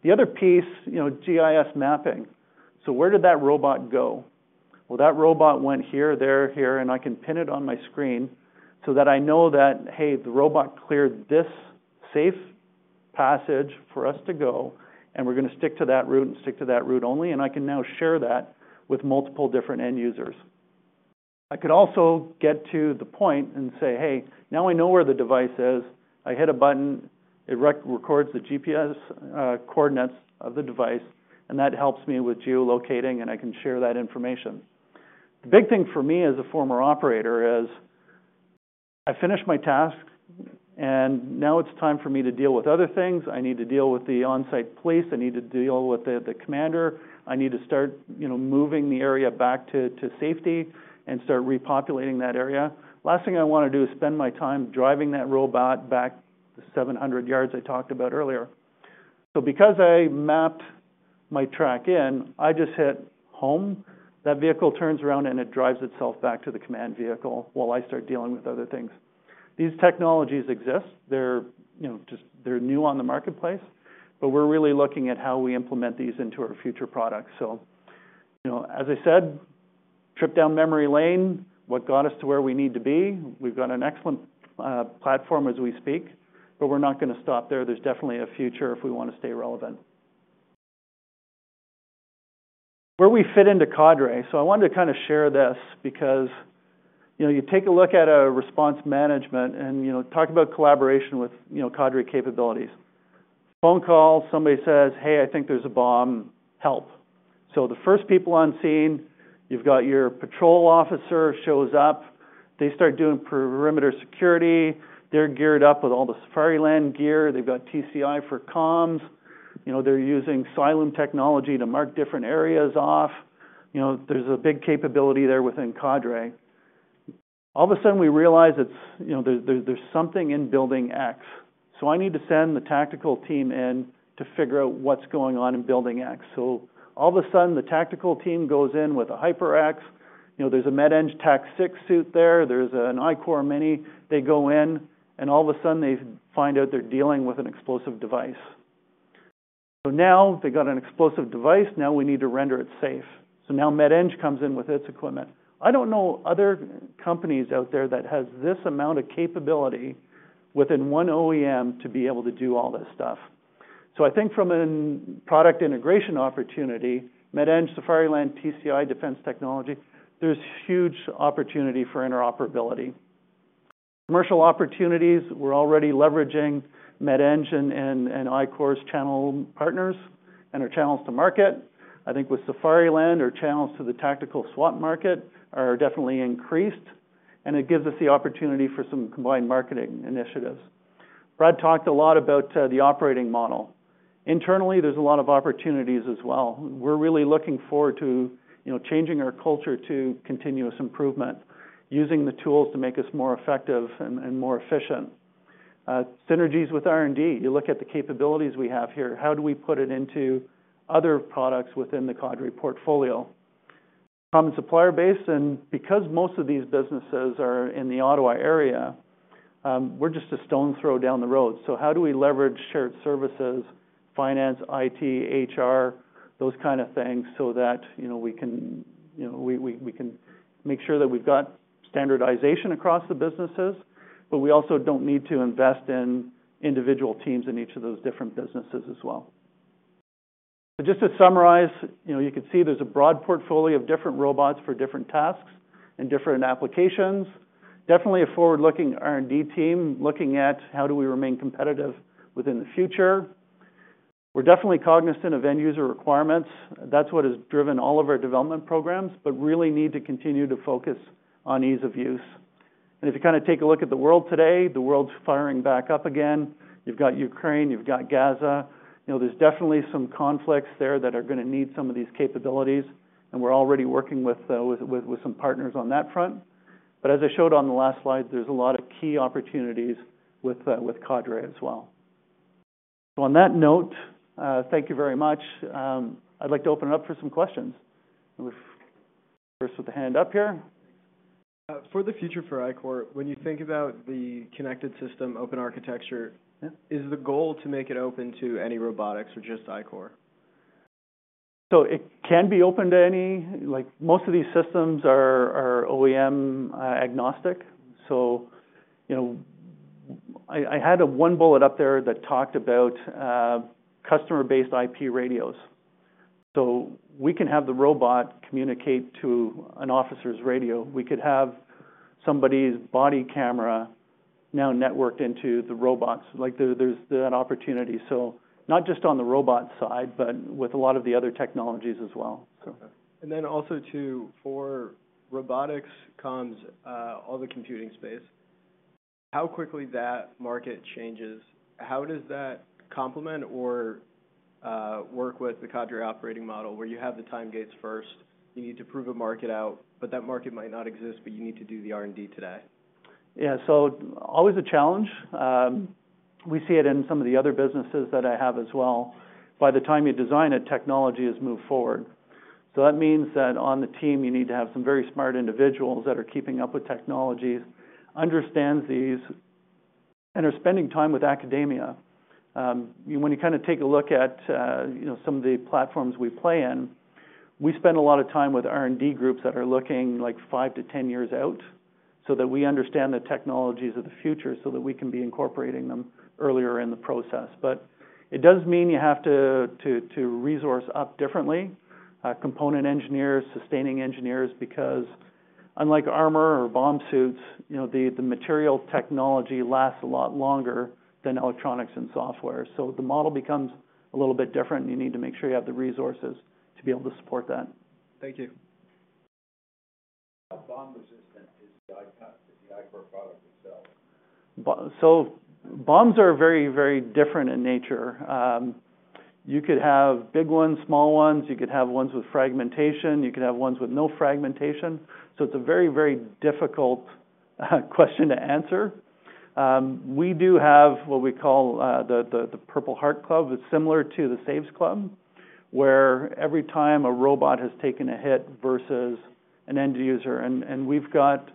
The other piece, you know, GIS mapping. So where did that robot go? Well, that robot went here, there, here, and I can pin it on my screen so that I know that, hey, the robot cleared this safe passage for us to go, and we're gonna stick to that route and stick to that route only. And I can now share that with multiple different end users. I could also get to the point and say, hey, now I know where the device is. I hit a button, it records the GPS coordinates of the device, and that helps me with geolocating, and I can share that information. The big thing for me as a former operator is I finished my task, and now it's time for me to deal with other things. I need to deal with the on-site police. I need to deal with the commander. I need to start, you know, moving the area back to safety and start repopulating that area. Last thing I wanna do is spend my time driving that robot back the 700 yards I talked about earlier. So because I mapped my track in, I just hit home. That vehicle turns around and it drives itself back to the command vehicle while I start dealing with other things. These technologies exist. They're, you know, just, they're new on the marketplace, but we're really looking at how we implement these into our future products. So, you know, as I said, trip down memory lane, what got us to where we need to be. We've got an excellent platform as we speak, but we're not gonna stop there. There's definitely a future if we wanna stay relevant. Where we fit into Cadre. So I wanted to kind of share this because, you know, you take a look at a response management and, you know, talk about collaboration with, you know, Cadre capabilities. Phone call, somebody says, hey, I think there's a bomb, help. So the first people on scene, you've got your patrol officer shows up, they start doing perimeter security. They're geared up with all the Safariland gear. They've got TCI for comms. You know, they're using Cyalume Technology to mark different areas off. You know, there's a big capability there within Cadre. All of a sudden, we realize it's, you know, there's, there's, there's something in Building X. So I need to send the tactical team in to figure out what's going on in Building X. So all of a sudden, the tactical team goes in with a HyperX. You know, there's a Med-Eng TAC 6 suit there. There's an ICOR Mini. They go in, and all of a sudden, they find out they're dealing with an explosive device. So now they got an explosive device. Now we need to render it safe. So now Med-Eng comes in with its equipment. I don't know other companies out there that have this amount of capability within one OEM to be able to do all this stuff. So I think from a product integration opportunity, Med-Eng, Safariland, ICOR, Defense Technology, there's huge opportunity for interoperability. Commercial opportunities, we're already leveraging Med-Eng and ICOR channel partners and our channels to market. I think with Safariland, our channels to the tactical SWAT market are definitely increased, and it gives us the opportunity for some combined marketing initiatives. Brad talked a lot about the operating model. Internally, there's a lot of opportunities as well. We're really looking forward to, you know, changing our culture to continuous improvement, using the tools to make us more effective and more efficient. Synergies with R&D. You look at the capabilities we have here. How do we put it into other products within the Cadre portfolio? Common supplier base. And because most of these businesses are in the Ottawa area, we're just a stone's throw down the road. So how do we leverage shared services, finance, IT, HR, those kind of things so that, you know, we can make sure that we've got standardization across the businesses, but we also don't need to invest in individual teams in each of those different businesses as well. So just to summarize, you know, you can see there's a broad portfolio of different robots for different tasks and different applications. Definitely a forward-looking R&D team looking at how do we remain competitive within the future. We're definitely cognizant of end user requirements. That's what has driven all of our development programs, but really need to continue to focus on ease of use. And if you kind of take a look at the world today, the world's firing back up again. You've got Ukraine, you've got Gaza. You know, there's definitely some conflicts there that are gonna need some of these capabilities, and we're already working with some partners on that front. But as I showed on the last slide, there's a lot of key opportunities with Cadre as well. So on that note, thank you very much. I'd like to open it up for some questions. First with the hand up here. For the future for ICOR, when you think about the connected system open architecture, is the goal to make it open to any robotics or just ICOR? So it can be open to any, like most of these systems are, OEM agnostic. So, you know, I had a one bullet up there that talked about customer-based IP radios. So we can have the robot communicate to an officer's radio. We could have somebody's body camera now networked into the robots. Like there, there's that opportunity. So not just on the robot side, but with a lot of the other technologies as well. So. Then also too, for robotics, comms, all the computing space, how quickly that market changes, how does that complement or work with the Cadre operating model where you have the time gates first, you need to prove a market out, but that market might not exist, but you need to do the R&D today? Yeah. So always a challenge. We see it in some of the other businesses that I have as well. By the time you design it, technology has moved forward. So that means that on the team, you need to have some very smart individuals that are keeping up with technologies, understand these, and are spending time with academia. You know, when you kind of take a look at, you know, some of the platforms we play in, we spend a lot of time with R&D groups that are looking like 5-10 years out so that we understand the technologies of the future so that we can be incorporating them earlier in the process. But it does mean you have to, to, to resource up differently, component engineers, sustaining engineers, because unlike armor or bomb suits, you know, the, the material technology lasts a lot longer than electronics and software. So the model becomes a little bit different and you need to make sure you have the resources to be able to support that. Thank you. How bomb resistant is the ICOR, is the ICOR product itself? So bombs are very, very different in nature. You could have big ones, small ones, you could have ones with fragmentation, you could have ones with no fragmentation. So it's a very, very difficult question to answer. We do have what we call the Purple Heart Club. It's similar to the SAVES Club where every time a robot has taken a hit versus an end user. And we've got,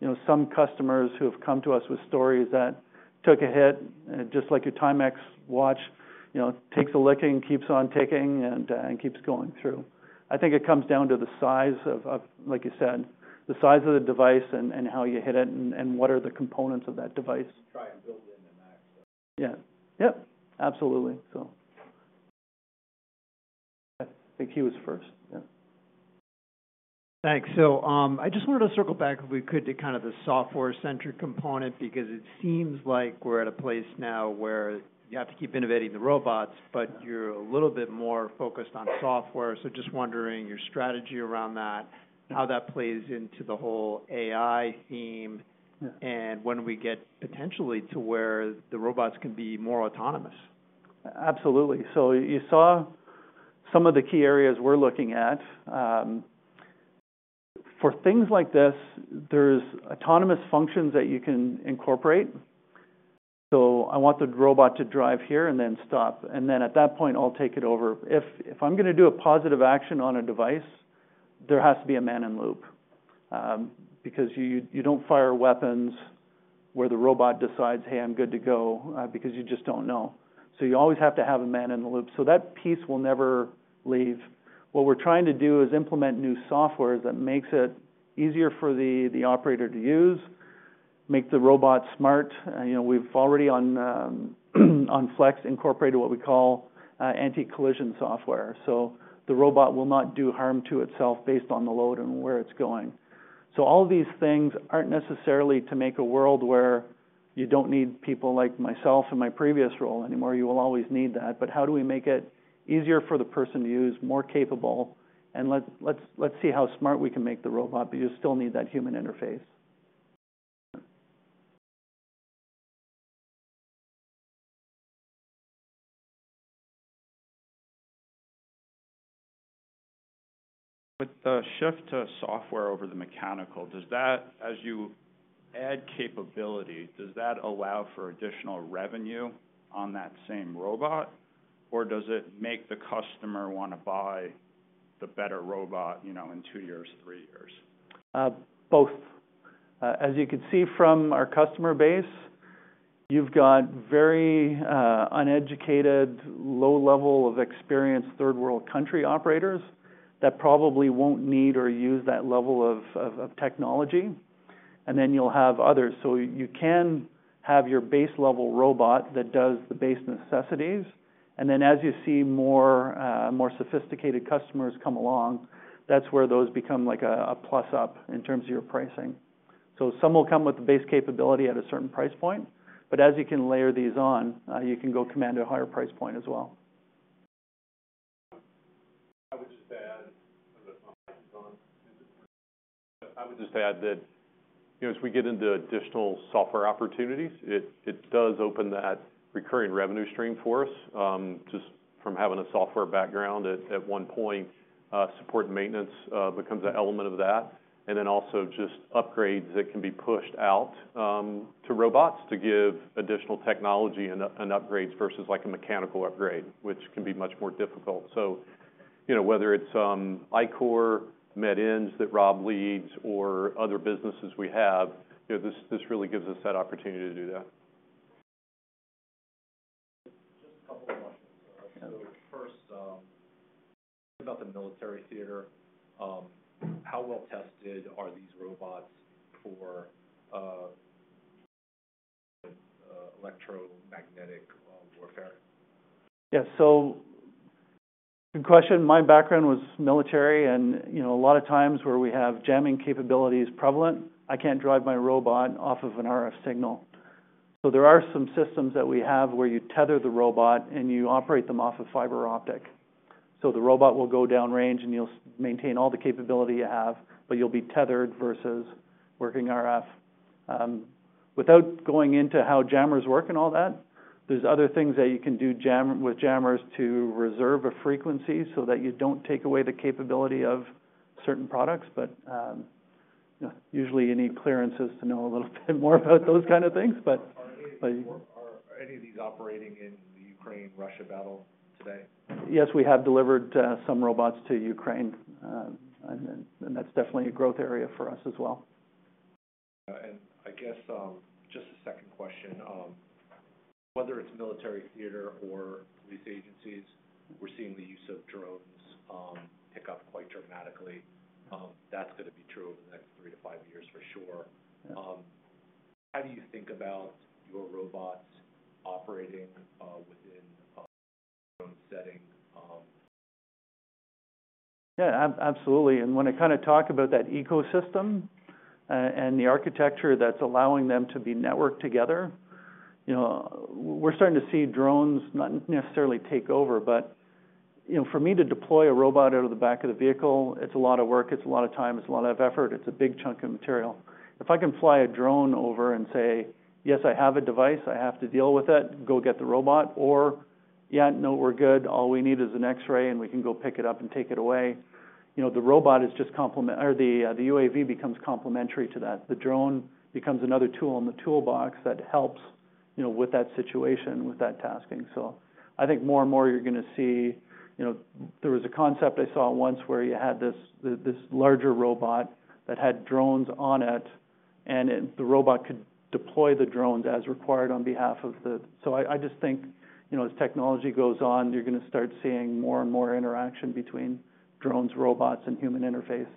you know, some customers who have come to us with stories that took a hit, just like your Timex watch, you know, takes a licking, keeps on ticking, and keeps going through. I think it comes down to the size of, like you said, the size of the device and how you hit it and what are the components of that device. Try and build in the max. Yeah. Yep. Absolutely. So. I think he was first. Yeah. Thanks. So, I just wanted to circle back if we could to kind of the software-centric component because it seems like we're at a place now where you have to keep innovating the robots, but you're a little bit more focused on software. So just wondering your strategy around that, how that plays into the whole AI theme. Yeah. And when we get potentially to where the robots can be more autonomous. Absolutely. So you saw some of the key areas we're looking at for things like this, there's autonomous functions that you can incorporate. So I want the robot to drive here and then stop. And then at that point, I'll take it over. If I'm gonna do a positive action on a device, there has to be a man in the loop, because you don't fire weapons where the robot decides, hey, I'm good to go, because you just don't know. So you always have to have a man in the loop. So that piece will never leave. What we're trying to do is implement new software that makes it easier for the operator to use, make the robot smart. You know, we've already on Flex incorporated what we call anti-collision software. So the robot will not do harm to itself based on the load and where it's going. So all of these things aren't necessarily to make a world where you don't need people like myself in my previous role anymore. You will always need that. But how do we make it easier for the person to use, more capable, and let's see how smart we can make the robot, but you still need that human interface. With the shift to software over the mechanical, does that, as you add capability, does that allow for additional revenue on that same robot, or does it make the customer wanna buy the better robot, you know, in two years, three years? Both. As you can see from our customer base, you've got very uneducated, low level of experience, third world country operators that probably won't need or use that level of technology. And then you'll have others. So you can have your base level robot that does the base necessities. And then as you see more, more sophisticated customers come along, that's where those become like a, a plus up in terms of your pricing. So some will come with the base capability at a certain price point, but as you can layer these on, you can go command a higher price point as well. I would just add, I would just add that, you know, as we get into additional software opportunities, it, it does open that recurring revenue stream for us, just from having a software background at, at one point, support maintenance, becomes an element of that. And then also just upgrades that can be pushed out, to robots to give additional technology and, and upgrades versus like a mechanical upgrade, which can be much more difficult. So, you know, whether it's ICOR, Med-Eng that Rob leads, or other businesses we have, you know, this, this really gives us that opportunity to do that. Just a couple of questions. So first, about the military theater, how well tested are these robots for electromagnetic warfare? Yeah. So good question. My background was military, and, you know, a lot of times where we have jamming capabilities prevalent, I can't drive my robot off of an RF signal. So there are some systems that we have where you tether the robot and you operate them off of fiber optic. So the robot will go downrange and you'll maintain all the capability you have, but you'll be tethered versus working RF. Without going into how jammers work and all that, there's other things that you can do with jammers to reserve a frequency so that you don't take away the capability of certain products. But, you know, usually you need clearances to know a little bit more about those kind of things. Are any of these operating in the Ukraine-Russia battle today? Yes, we have delivered some robots to Ukraine, and that's definitely a growth area for us as well. And I guess, just a second question, whether it's military theater or police agencies, we're seeing the use of drones pick up quite dramatically. That's gonna be true over the next 3-5 years for sure. How do you think about your robots operating within a drone setting? Yeah, absolutely. When I kind of talk about that ecosystem, and the architecture that's allowing them to be networked together, you know, we're starting to see drones not necessarily take over, but, you know, for me to deploy a robot out of the back of the vehicle, it's a lot of work. It's a lot of time. It's a lot of effort. It's a big chunk of material. If I can fly a drone over and say, yes, I have a device, I have to deal with it, go get the robot, or, yeah, no, we're good. All we need is an X-ray and we can go pick it up and take it away. You know, the robot is just complement, or the, the UAV becomes complementary to that. The drone becomes another tool in the toolbox that helps, you know, with that situation, with that tasking. So I think more and more you're gonna see, you know, there was a concept I saw once where you had this, this, this larger robot that had drones on it, and the robot could deploy the drones as required on behalf of the, so I, I just think, you know, as technology goes on, you're gonna start seeing more and more interaction between drones, robots, and human interface.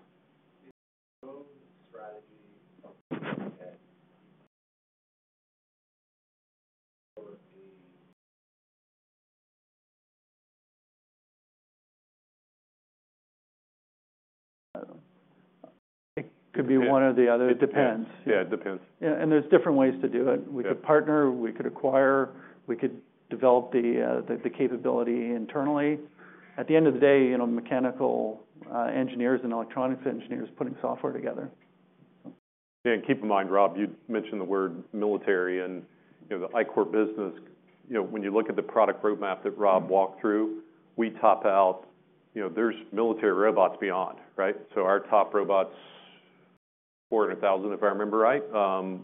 It could be one or the other. It depends. Yeah, it depends. Yeah. And there's different ways to do it. We could partner, we could acquire, we could develop the, the, the capability internally. At the end of the day, you know, mechanical engineers and electronics engineers putting software together. Yeah. And keep in mind, Rob, you'd mentioned the word military and, you know, the ICOR business, you know, when you look at the product roadmap that Rob walked through, we top out, you know, there's military robots beyond, right? So our top robots, $400,000, if I remember right.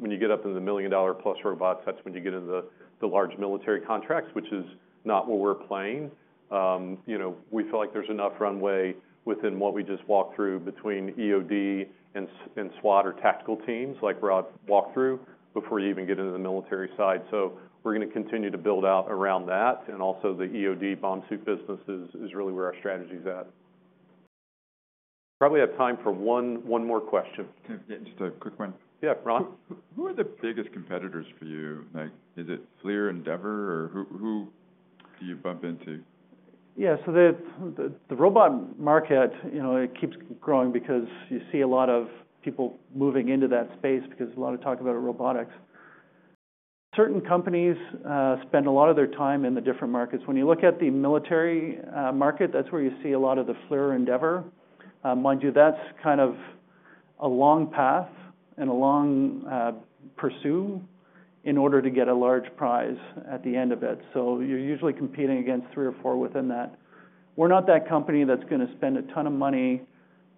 When you get up in the $1 million plus robots, that's when you get into the, the large military contracts, which is not what we're playing. You know, we feel like there's enough runway within what we just walked through between EOD and, and SWAT or tactical teams like Rob walked through before you even get into the military side. So we're gonna continue to build out around that. And also the EOD bomb suit business is, is really where our strategy's at. Probably have time for one more question. Just a quick one. Yeah, Ron. Who are the biggest competitors for you? Like, is it FLIR Endeavor or who, who do you bump into? Yeah. So the robot market, you know, it keeps growing because you see a lot of people moving into that space because a lot of talk about robotics. Certain companies spend a lot of their time in the different markets. When you look at the military market, that's where you see a lot of the FLIR Endeavor. Mind you, that's kind of a long path and a long pursuit in order to get a large prize at the end of it. So you're usually competing against three or four within that. We're not that company that's gonna spend a ton of money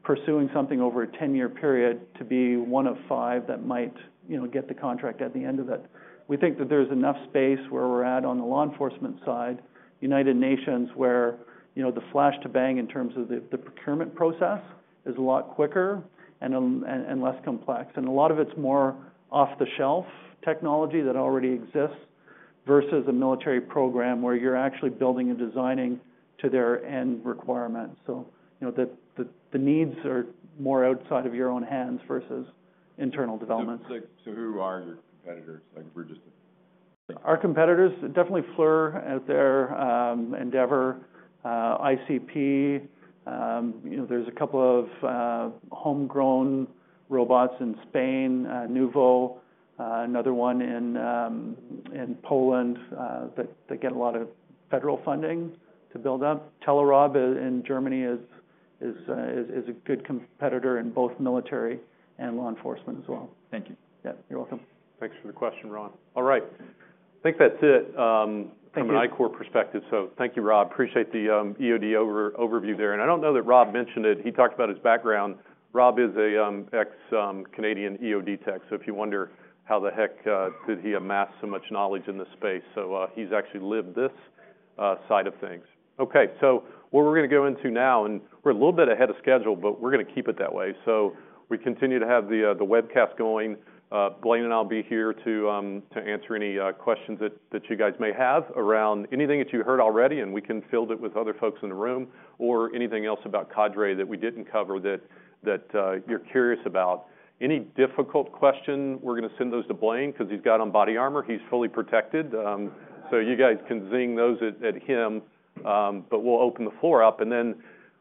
pursuing something over a 10-year period to be one of five that might, you know, get the contract at the end of it. We think that there's enough space where we're at on the law enforcement side, United Nations, where, you know, the flash to bang in terms of the procurement process is a lot quicker and less complex. And a lot of it's more off the shelf technology that already exists versus a military program where you're actually building and designing to their end requirements. So, you know, the needs are more outside of your own hands versus internal development. So who are your competitors? Like, if we're just. Our competitors definitely FLIR and their Endeavor, ICP. You know, there's a couple of homegrown robots in Spain, Aunav, another one in Poland that get a lot of federal funding to build up. Telerob in Germany is a good competitor in both military and law enforcement as well. Thank you. Yeah, you're welcome. Thanks for the question, Ron. All right. I think that's it, from an ICOR perspective. So thank you, Rob. Appreciate the EOD overview there. And I don't know that Rob mentioned it. He talked about his background. Rob is an ex Canadian EOD tech. So if you wonder how the heck did he amass so much knowledge in this space. So he's actually lived this side of things. Okay. So what we're gonna go into now, and we're a little bit ahead of schedule, but we're gonna keep it that way. So we continue to have the webcast going. Blaine and I'll be here to answer any questions that you guys may have around anything that you heard already, and we can field it with other folks in the room or anything else about Cadre that we didn't cover that you're curious about. Any difficult question, we're gonna send those to Blaine 'cause he's got on body armor. He's fully protected. So you guys can zing those at him. But we'll open the floor up and then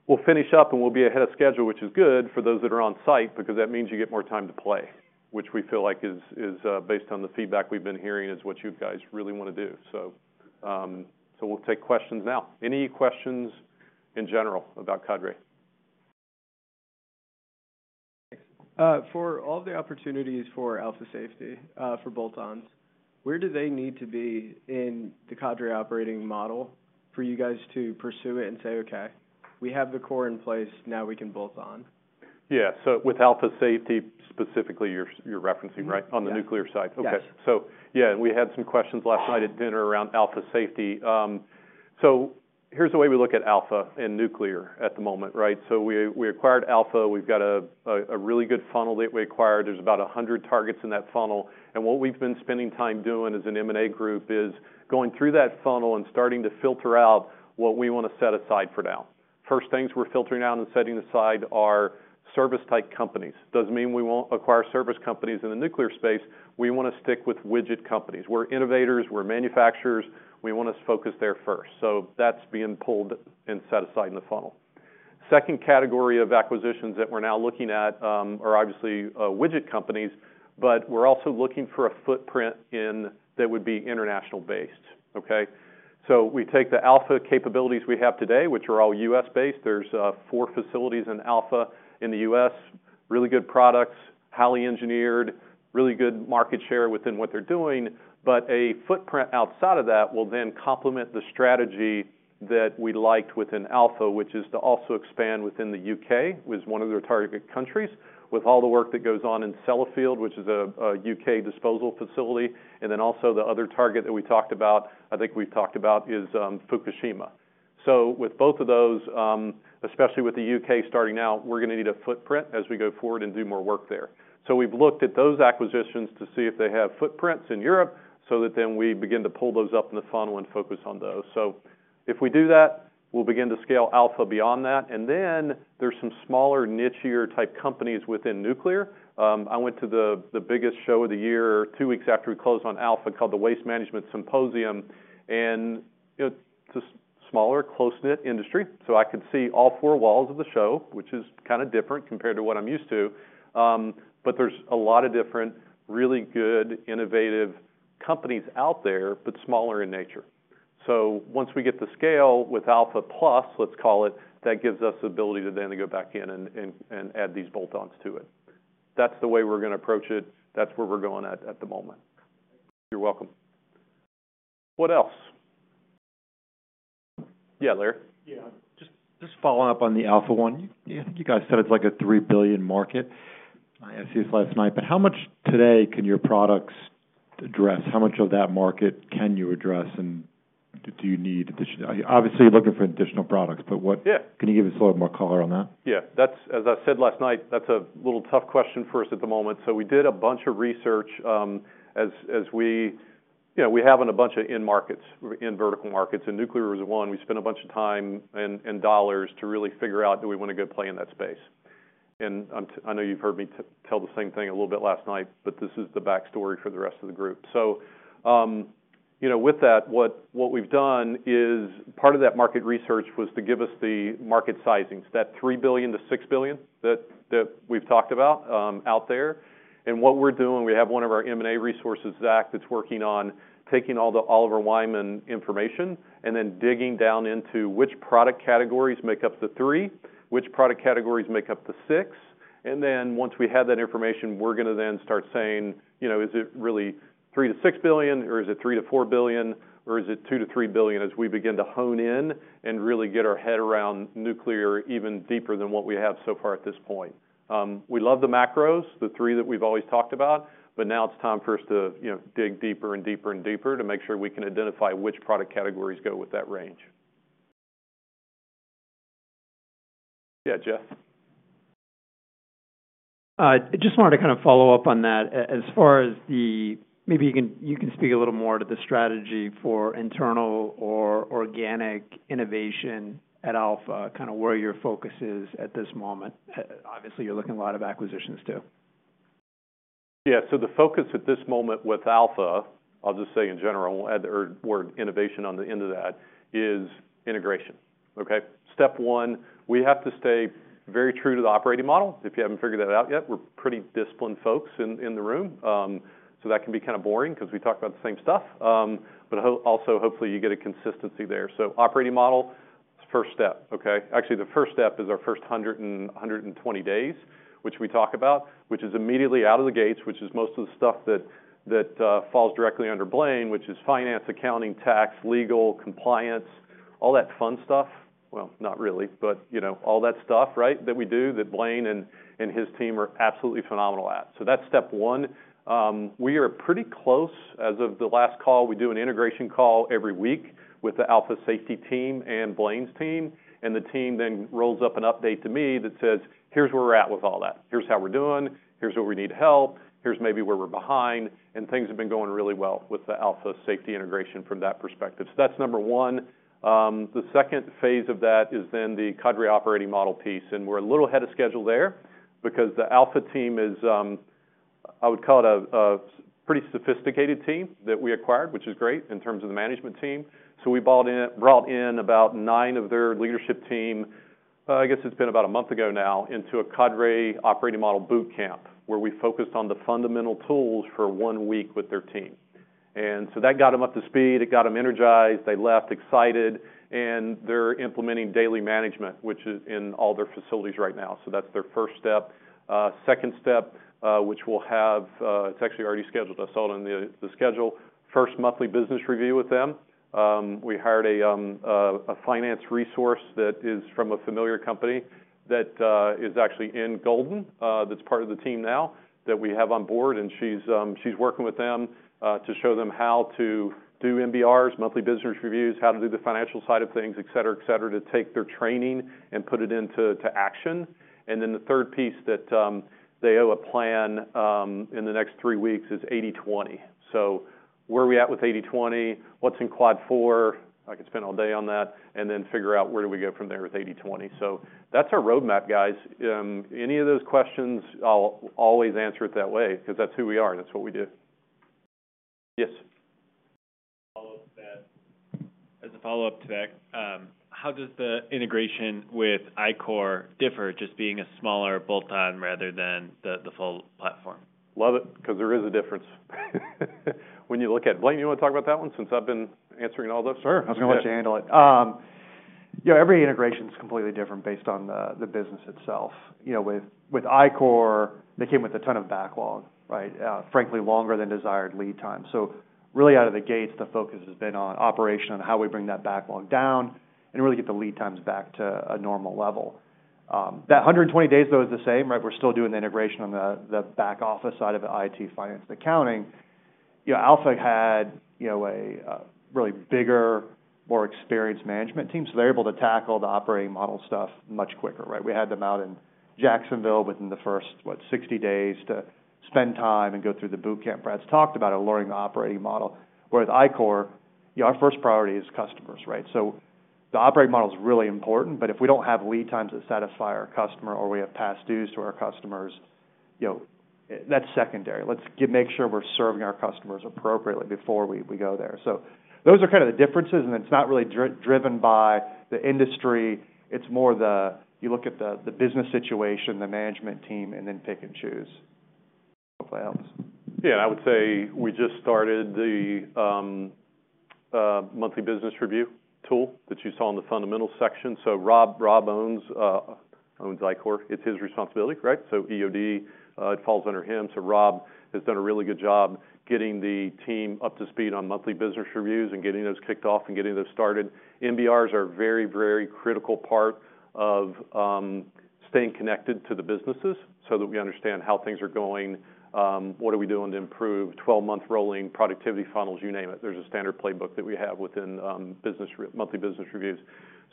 we'll finish up and we'll be ahead of schedule, which is good for those that are on site because that means you get more time to play, which we feel like is, based on the feedback we've been hearing is what you guys really wanna do. So we'll take questions now. Any questions in general about Cadre? Thanks. For all of the opportunities for Alpha Safety, for bolt-ons, where do they need to be in the Cadre operating model for you guys to pursue it and say, okay, we have the core in place, now we can bolt on? Yeah. So with Alpha Safety specifically, you're referencing, right? On the nuclear side. Okay. So yeah, and we had some questions last night at dinner around Alpha Safety. So here's the way we look at Alpha and nuclear at the moment, right? So we acquired Alpha. We've got a really good funnel that we acquired. There's about 100 targets in that funnel. And what we've been spending time doing as an M&A group is going through that funnel and starting to filter out what we wanna set aside for now. First things we're filtering out and setting aside are service-type companies. Doesn't mean we won't acquire service companies in the nuclear space. We wanna stick with widget companies. We're innovators, we're manufacturers. We wanna focus there first. So that's being pulled and set aside in the funnel. Second category of acquisitions that we're now looking at are obviously widget companies, but we're also looking for a footprint that would be internationally based. Okay. So we take the Alpha capabilities we have today, which are all U.S.-based. There's four facilities in Alpha in the U.S. Really good products, highly engineered, really good market share within what they're doing. But a footprint outside of that will then complement the strategy that we liked within Alpha, which is to also expand within the U.K., which is one of their target countries, with all the work that goes on in Sellafield, which is a U.K. disposal facility. And then also the other target that we talked about, I think we've talked about is Fukushima. So with both of those, especially with the U.K. starting now, we're gonna need a footprint as we go forward and do more work there. So we've looked at those acquisitions to see if they have footprints in Europe so that then we begin to pull those up in the funnel and focus on those. So if we do that, we'll begin to scale Alpha beyond that. And then there's some smaller nichier type companies within nuclear. I went to the biggest show of the year two weeks after we closed on Alpha called the Waste Management Symposium. And, you know, just smaller close-knit industry. So I could see all four walls of the show, which is kind of different compared to what I'm used to. But there's a lot of different really good innovative companies out there, but smaller in nature. So once we get the scale with Alpha Plus, let's call it, that gives us the ability to then go back in and add these bolt-ons to it. That's the way we're gonna approach it. That's where we're going at, at the moment. You're welcome. What else? Yeah, Larry. Yeah. Just, just following up on the Alpha one, you, you guys said it's like a $3 billion market. I asked you this last night, but how much today can your products address? How much of that market can you address and do you need additional? Obviously, you're looking for additional products, but what? Yeah. Can you give us a little more color on that? Yeah. That's, as I said last night, that's a little tough question for us at the moment. So we did a bunch of research, as, as we, you know, we have in a bunch of in-markets, in vertical markets. And nuclear was one. We spent a bunch of time and dollars to really figure out that we want to go play in that space. And I know you've heard me tell the same thing a little bit last night, but this is the backstory for the rest of the group. So, you know, with that, what we've done is part of that market research was to give us the market sizings, that $3 billion-$6 billion that we've talked about, out there. And what we're doing, we have one of our M&A resources, Zach, that's working on taking all the Oliver Wyman information and then digging down into which product categories make up the three, which product categories make up the six. And then once we have that information, we're gonna then start saying, you know, is it really $3 billion-$6 billion or is it $3 billion-$4 billion or is it $2 billion-$3 billion as we begin to hone in and really get our head around nuclear even deeper than what we have so far at this point. We love the macros, the three that we've always talked about, but now it's time for us to, you know, dig deeper and deeper and deeper to make sure we can identify which product categories go with that range. Yeah, Jeff. Just wanted to kind of follow up on that. As far as the, maybe you can, you can speak a little more to the strategy for internal or organic innovation at Alpha, kind of where your focus is at this moment. Obviously you're looking at a lot of acquisitions too. Yeah. So the focus at this moment with Alpha, I'll just say in general, and the word innovation on the end of that is integration. Okay. Step one, we have to stay very true to the operating model. If you haven't figured that out yet, we're pretty disciplined folks in, in the room. So that can be kind of boring 'cause we talk about the same stuff. But also hopefully you get a consistency there. So operating model is the first step. Okay. Actually, the first step is our first 100 and 120 days, which we talk about, which is immediately out of the gates, which is most of the stuff that, that, falls directly under Blaine, which is finance, accounting, tax, legal, compliance, all that fun stuff. Well, not really, but, you know, all that stuff, right, that we do that Blaine and, and his team are absolutely phenomenal at. So that's step one. We are pretty close as of the last call. We do an integration call every week with the Alpha Safety team and Blaine's team. And the team then rolls up an update to me that says, here's where we're at with all that. Here's how we're doing. Here's where we need help. Here's maybe where we're behind. And things have been going really well with the Alpha Safety integration from that perspective. So that's number one. The second phase of that is then the Cadre operating model piece. And we're a little ahead of schedule there because the Alpha team is, I would call it a, a pretty sophisticated team that we acquired, which is great in terms of the management team. So we brought in, brought in about nine of their leadership team. I guess it's been about a month ago now into a Cadre operating model bootcamp where we focused on the fundamental tools for one week with their team. And so that got them up to speed. It got them energized. They left excited. And they're implementing daily management, which is in all their facilities right now. So that's their first step. Second step, which we'll have, it's actually already scheduled. I saw it on the schedule. First monthly business review with them. We hired a finance resource that is from a familiar company that is actually in Golden, that's part of the team now that we have on board. And she's working with them to show them how to do MBRs, monthly business reviews, how to do the financial side of things, et cetera, et cetera, to take their training and put it into action. Then the third piece that they owe a plan in the next three weeks is 80/20. So where are we at with 80/20? What's in quad four? I could spend all day on that and then figure out where do we go from there with 80/20. So that's our roadmap, guys. Any of those questions, I'll always answer it that way 'cause that's who we are and that's what we do. Yes. As a follow-up to that, how does the integration with ICOR differ just being a smaller bolt-on rather than the full platform? Love it 'cause there is a difference when you look at it. Blaine, you wanna talk about that one since I've been answering all those? Sure. I was gonna let you handle it. You know, every integration's completely different based on the business itself. You know, with ICOR, they came with a ton of backlog, right? Frankly, longer than desired lead time. So really out of the gates, the focus has been on operation and how we bring that backlog down and really get the lead times back to a normal level. That 120 days though is the same, right? We're still doing the integration on the back office side of the IT finance and accounting. You know, Alpha had a really bigger, more experienced management team. So they're able to tackle the operating model stuff much quicker, right? We had them out in Jacksonville within the first, what, 60 days to spend time and go through the bootcamp. Brad's talked about it, lowering the operating model. Where with I-Corps, you know, our first priority is customers, right? So the operating model's really important, but if we don't have lead times that satisfy our customer or we have past dues to our customers, you know, that's secondary. Let's make sure we're serving our customers appropriately before we, we go there. So those are kind of the differences. And it's not really driven by the industry. It's more the, you look at the, the business situation, the management team, and then pick and choose. Hopefully that helps. Yeah. And I would say we just started the, monthly business review tool that you saw in the fundamental section. So Rob, Rob owns, owns I-Corps. It's his responsibility, right? So EOD, it falls under him. So Rob has done a really good job getting the team up to speed on monthly business reviews and getting those kicked off and getting those started. MBRs are a very, very critical part of staying connected to the businesses so that we understand how things are going. What are we doing to improve? 12-month rolling, productivity funnels, you name it. There's a standard playbook that we have within business review, monthly business reviews.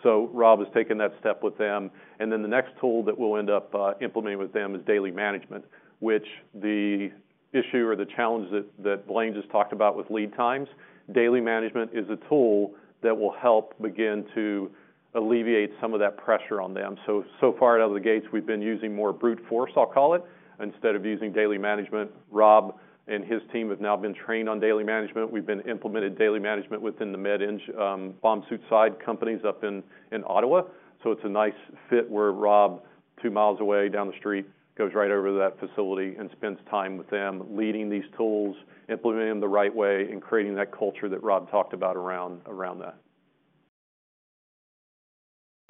So Rob has taken that step with them. And then the next tool that we'll end up implementing with them is daily management, which the issue or the challenge that that Blaine just talked about with lead times, daily management is a tool that will help begin to alleviate some of that pressure on them. So, so far out of the gates, we've been using more brute force, I'll call it, instead of using daily management. Rob and his team have now been trained on daily management. We've been implementing daily management within the Med-Eng, bomb suit side companies up in Ottawa. So it's a nice fit where Rob, two miles away down the street, goes right over to that facility and spends time with them leading these tools, implementing them the right way, and creating that culture that Rob talked about around that.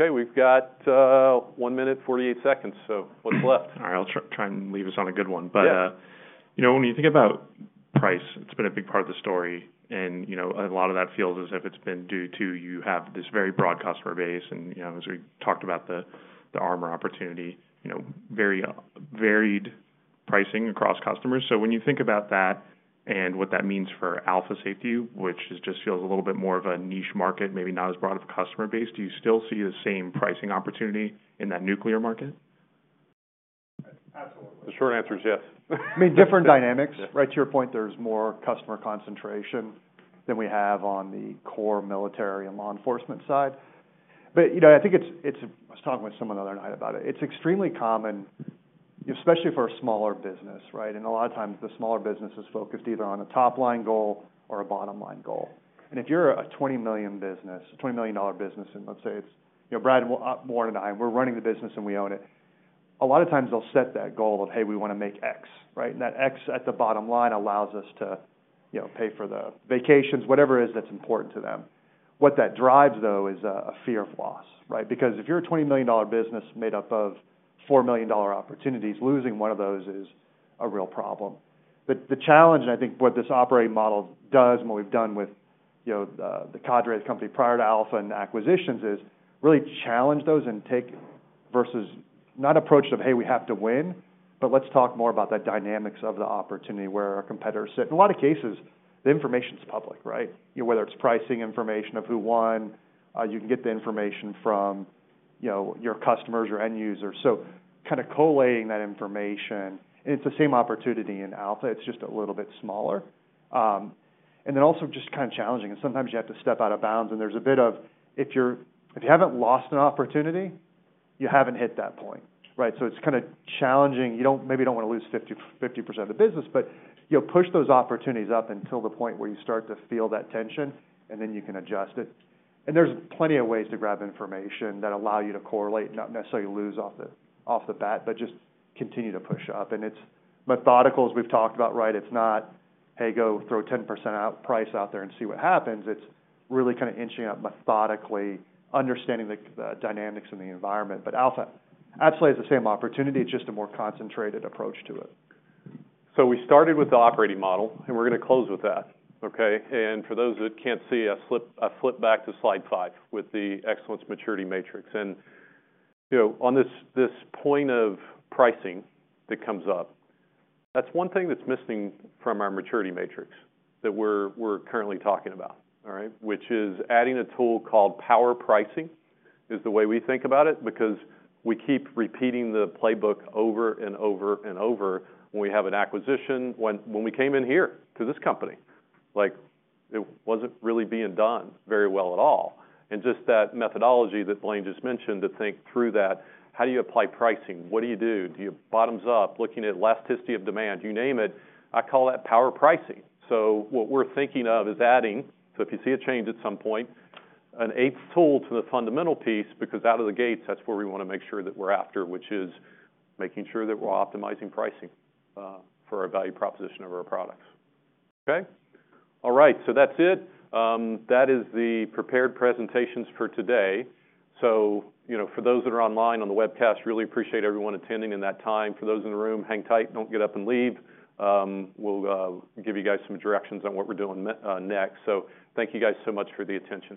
Okay. We've got 1 minute, 48 seconds. So what's left? All right. I'll try and leave us on a good one. But, you know, when you think about price, it's been a big part of the story. And, you know, a lot of that feels as if it's been due to you have this very broad customer base. You know, as we talked about the armor opportunity, you know, very varied pricing across customers. So when you think about that and what that means for Alpha Safety, which just feels a little bit more of a niche market, maybe not as broad of a customer base, do you still see the same pricing opportunity in that nuclear market? Absolutely. The short answer is yes. I mean, different dynamics, right? To your point, there's more customer concentration than we have on the core military and law enforcement side. But, you know, I think it's, I was talking with someone the other night about it. It's extremely common, especially for a smaller business, right? And a lot of times the smaller business is focused either on a top-line goal or a bottom-line goal. If you're a $20 million business, a $20 million business, and let's say it's, you know, Brad and, Warren and I, we're running the business and we own it. A lot of times they'll set that goal of, hey, we wanna make X, right? And that X at the bottom line allows us to, you know, pay for the vacations, whatever it is that's important to them. What that drives though is a, a fear of loss, right? Because if you're a $20 million business made up of $4 million opportunities, losing one of those is a real problem. But the challenge, and I think what this operating model does and what we've done with, you know, the Cadre company prior to Alpha and acquisitions is really challenge those and take versus not approach it of, hey, we have to win, but let's talk more about the dynamics of the opportunity where our competitors sit. In a lot of cases, the information's public, right? You know, whether it's pricing information of who won, you can get the information from, you know, your customers, your end users. So kind of collating that information. And it's the same opportunity in Alpha. It's just a little bit smaller, and then also just kind of challenging. And sometimes you have to step out of bounds. And there's a bit of, if you're, if you haven't lost an opportunity, you haven't hit that point, right? So it's kind of challenging. You don't, maybe you don't wanna lose 50, 50% of the business, but you'll push those opportunities up until the point where you start to feel that tension and then you can adjust it. And there's plenty of ways to grab information that allow you to correlate and not necessarily lose off the, off the bat, but just continue to push up. And it's methodical, as we've talked about, right? It's not, hey, go throw 10% out price out there and see what happens. It's really kind of inching up methodically, understanding the, the dynamics in the environment. But Alpha absolutely has the same opportunity. It's just a more concentrated approach to it. So we started with the operating model and we're gonna close with that. Okay. And for those that can't see, I slipped, I flipped back to slide 5 with the excellence maturity matrix. You know, on this point of pricing that comes up, that's one thing that's missing from our maturity matrix that we're currently talking about, all right? Which is adding a tool called power pricing is the way we think about it because we keep repeating the playbook over and over and over when we have an acquisition. When we came in here to this company, like it wasn't really being done very well at all. And just that methodology that Blaine just mentioned to think through that, how do you apply pricing? What do you do? Do you bottoms up looking at last history of demand? You name it. I call that power pricing. So what we're thinking of is adding, so if you see a change at some point, an eighth tool to the fundamental piece because out of the gates, that's where we wanna make sure that we're after, which is making sure that we're optimizing pricing for our value proposition of our products. Okay. All right. So that's it. That is the prepared presentations for today. So, you know, for those that are online on the webcast, really appreciate everyone attending in that time. For those in the room, hang tight. Don't get up and leave. We'll give you guys some directions on what we're doing next. So thank you guys so much for the attention.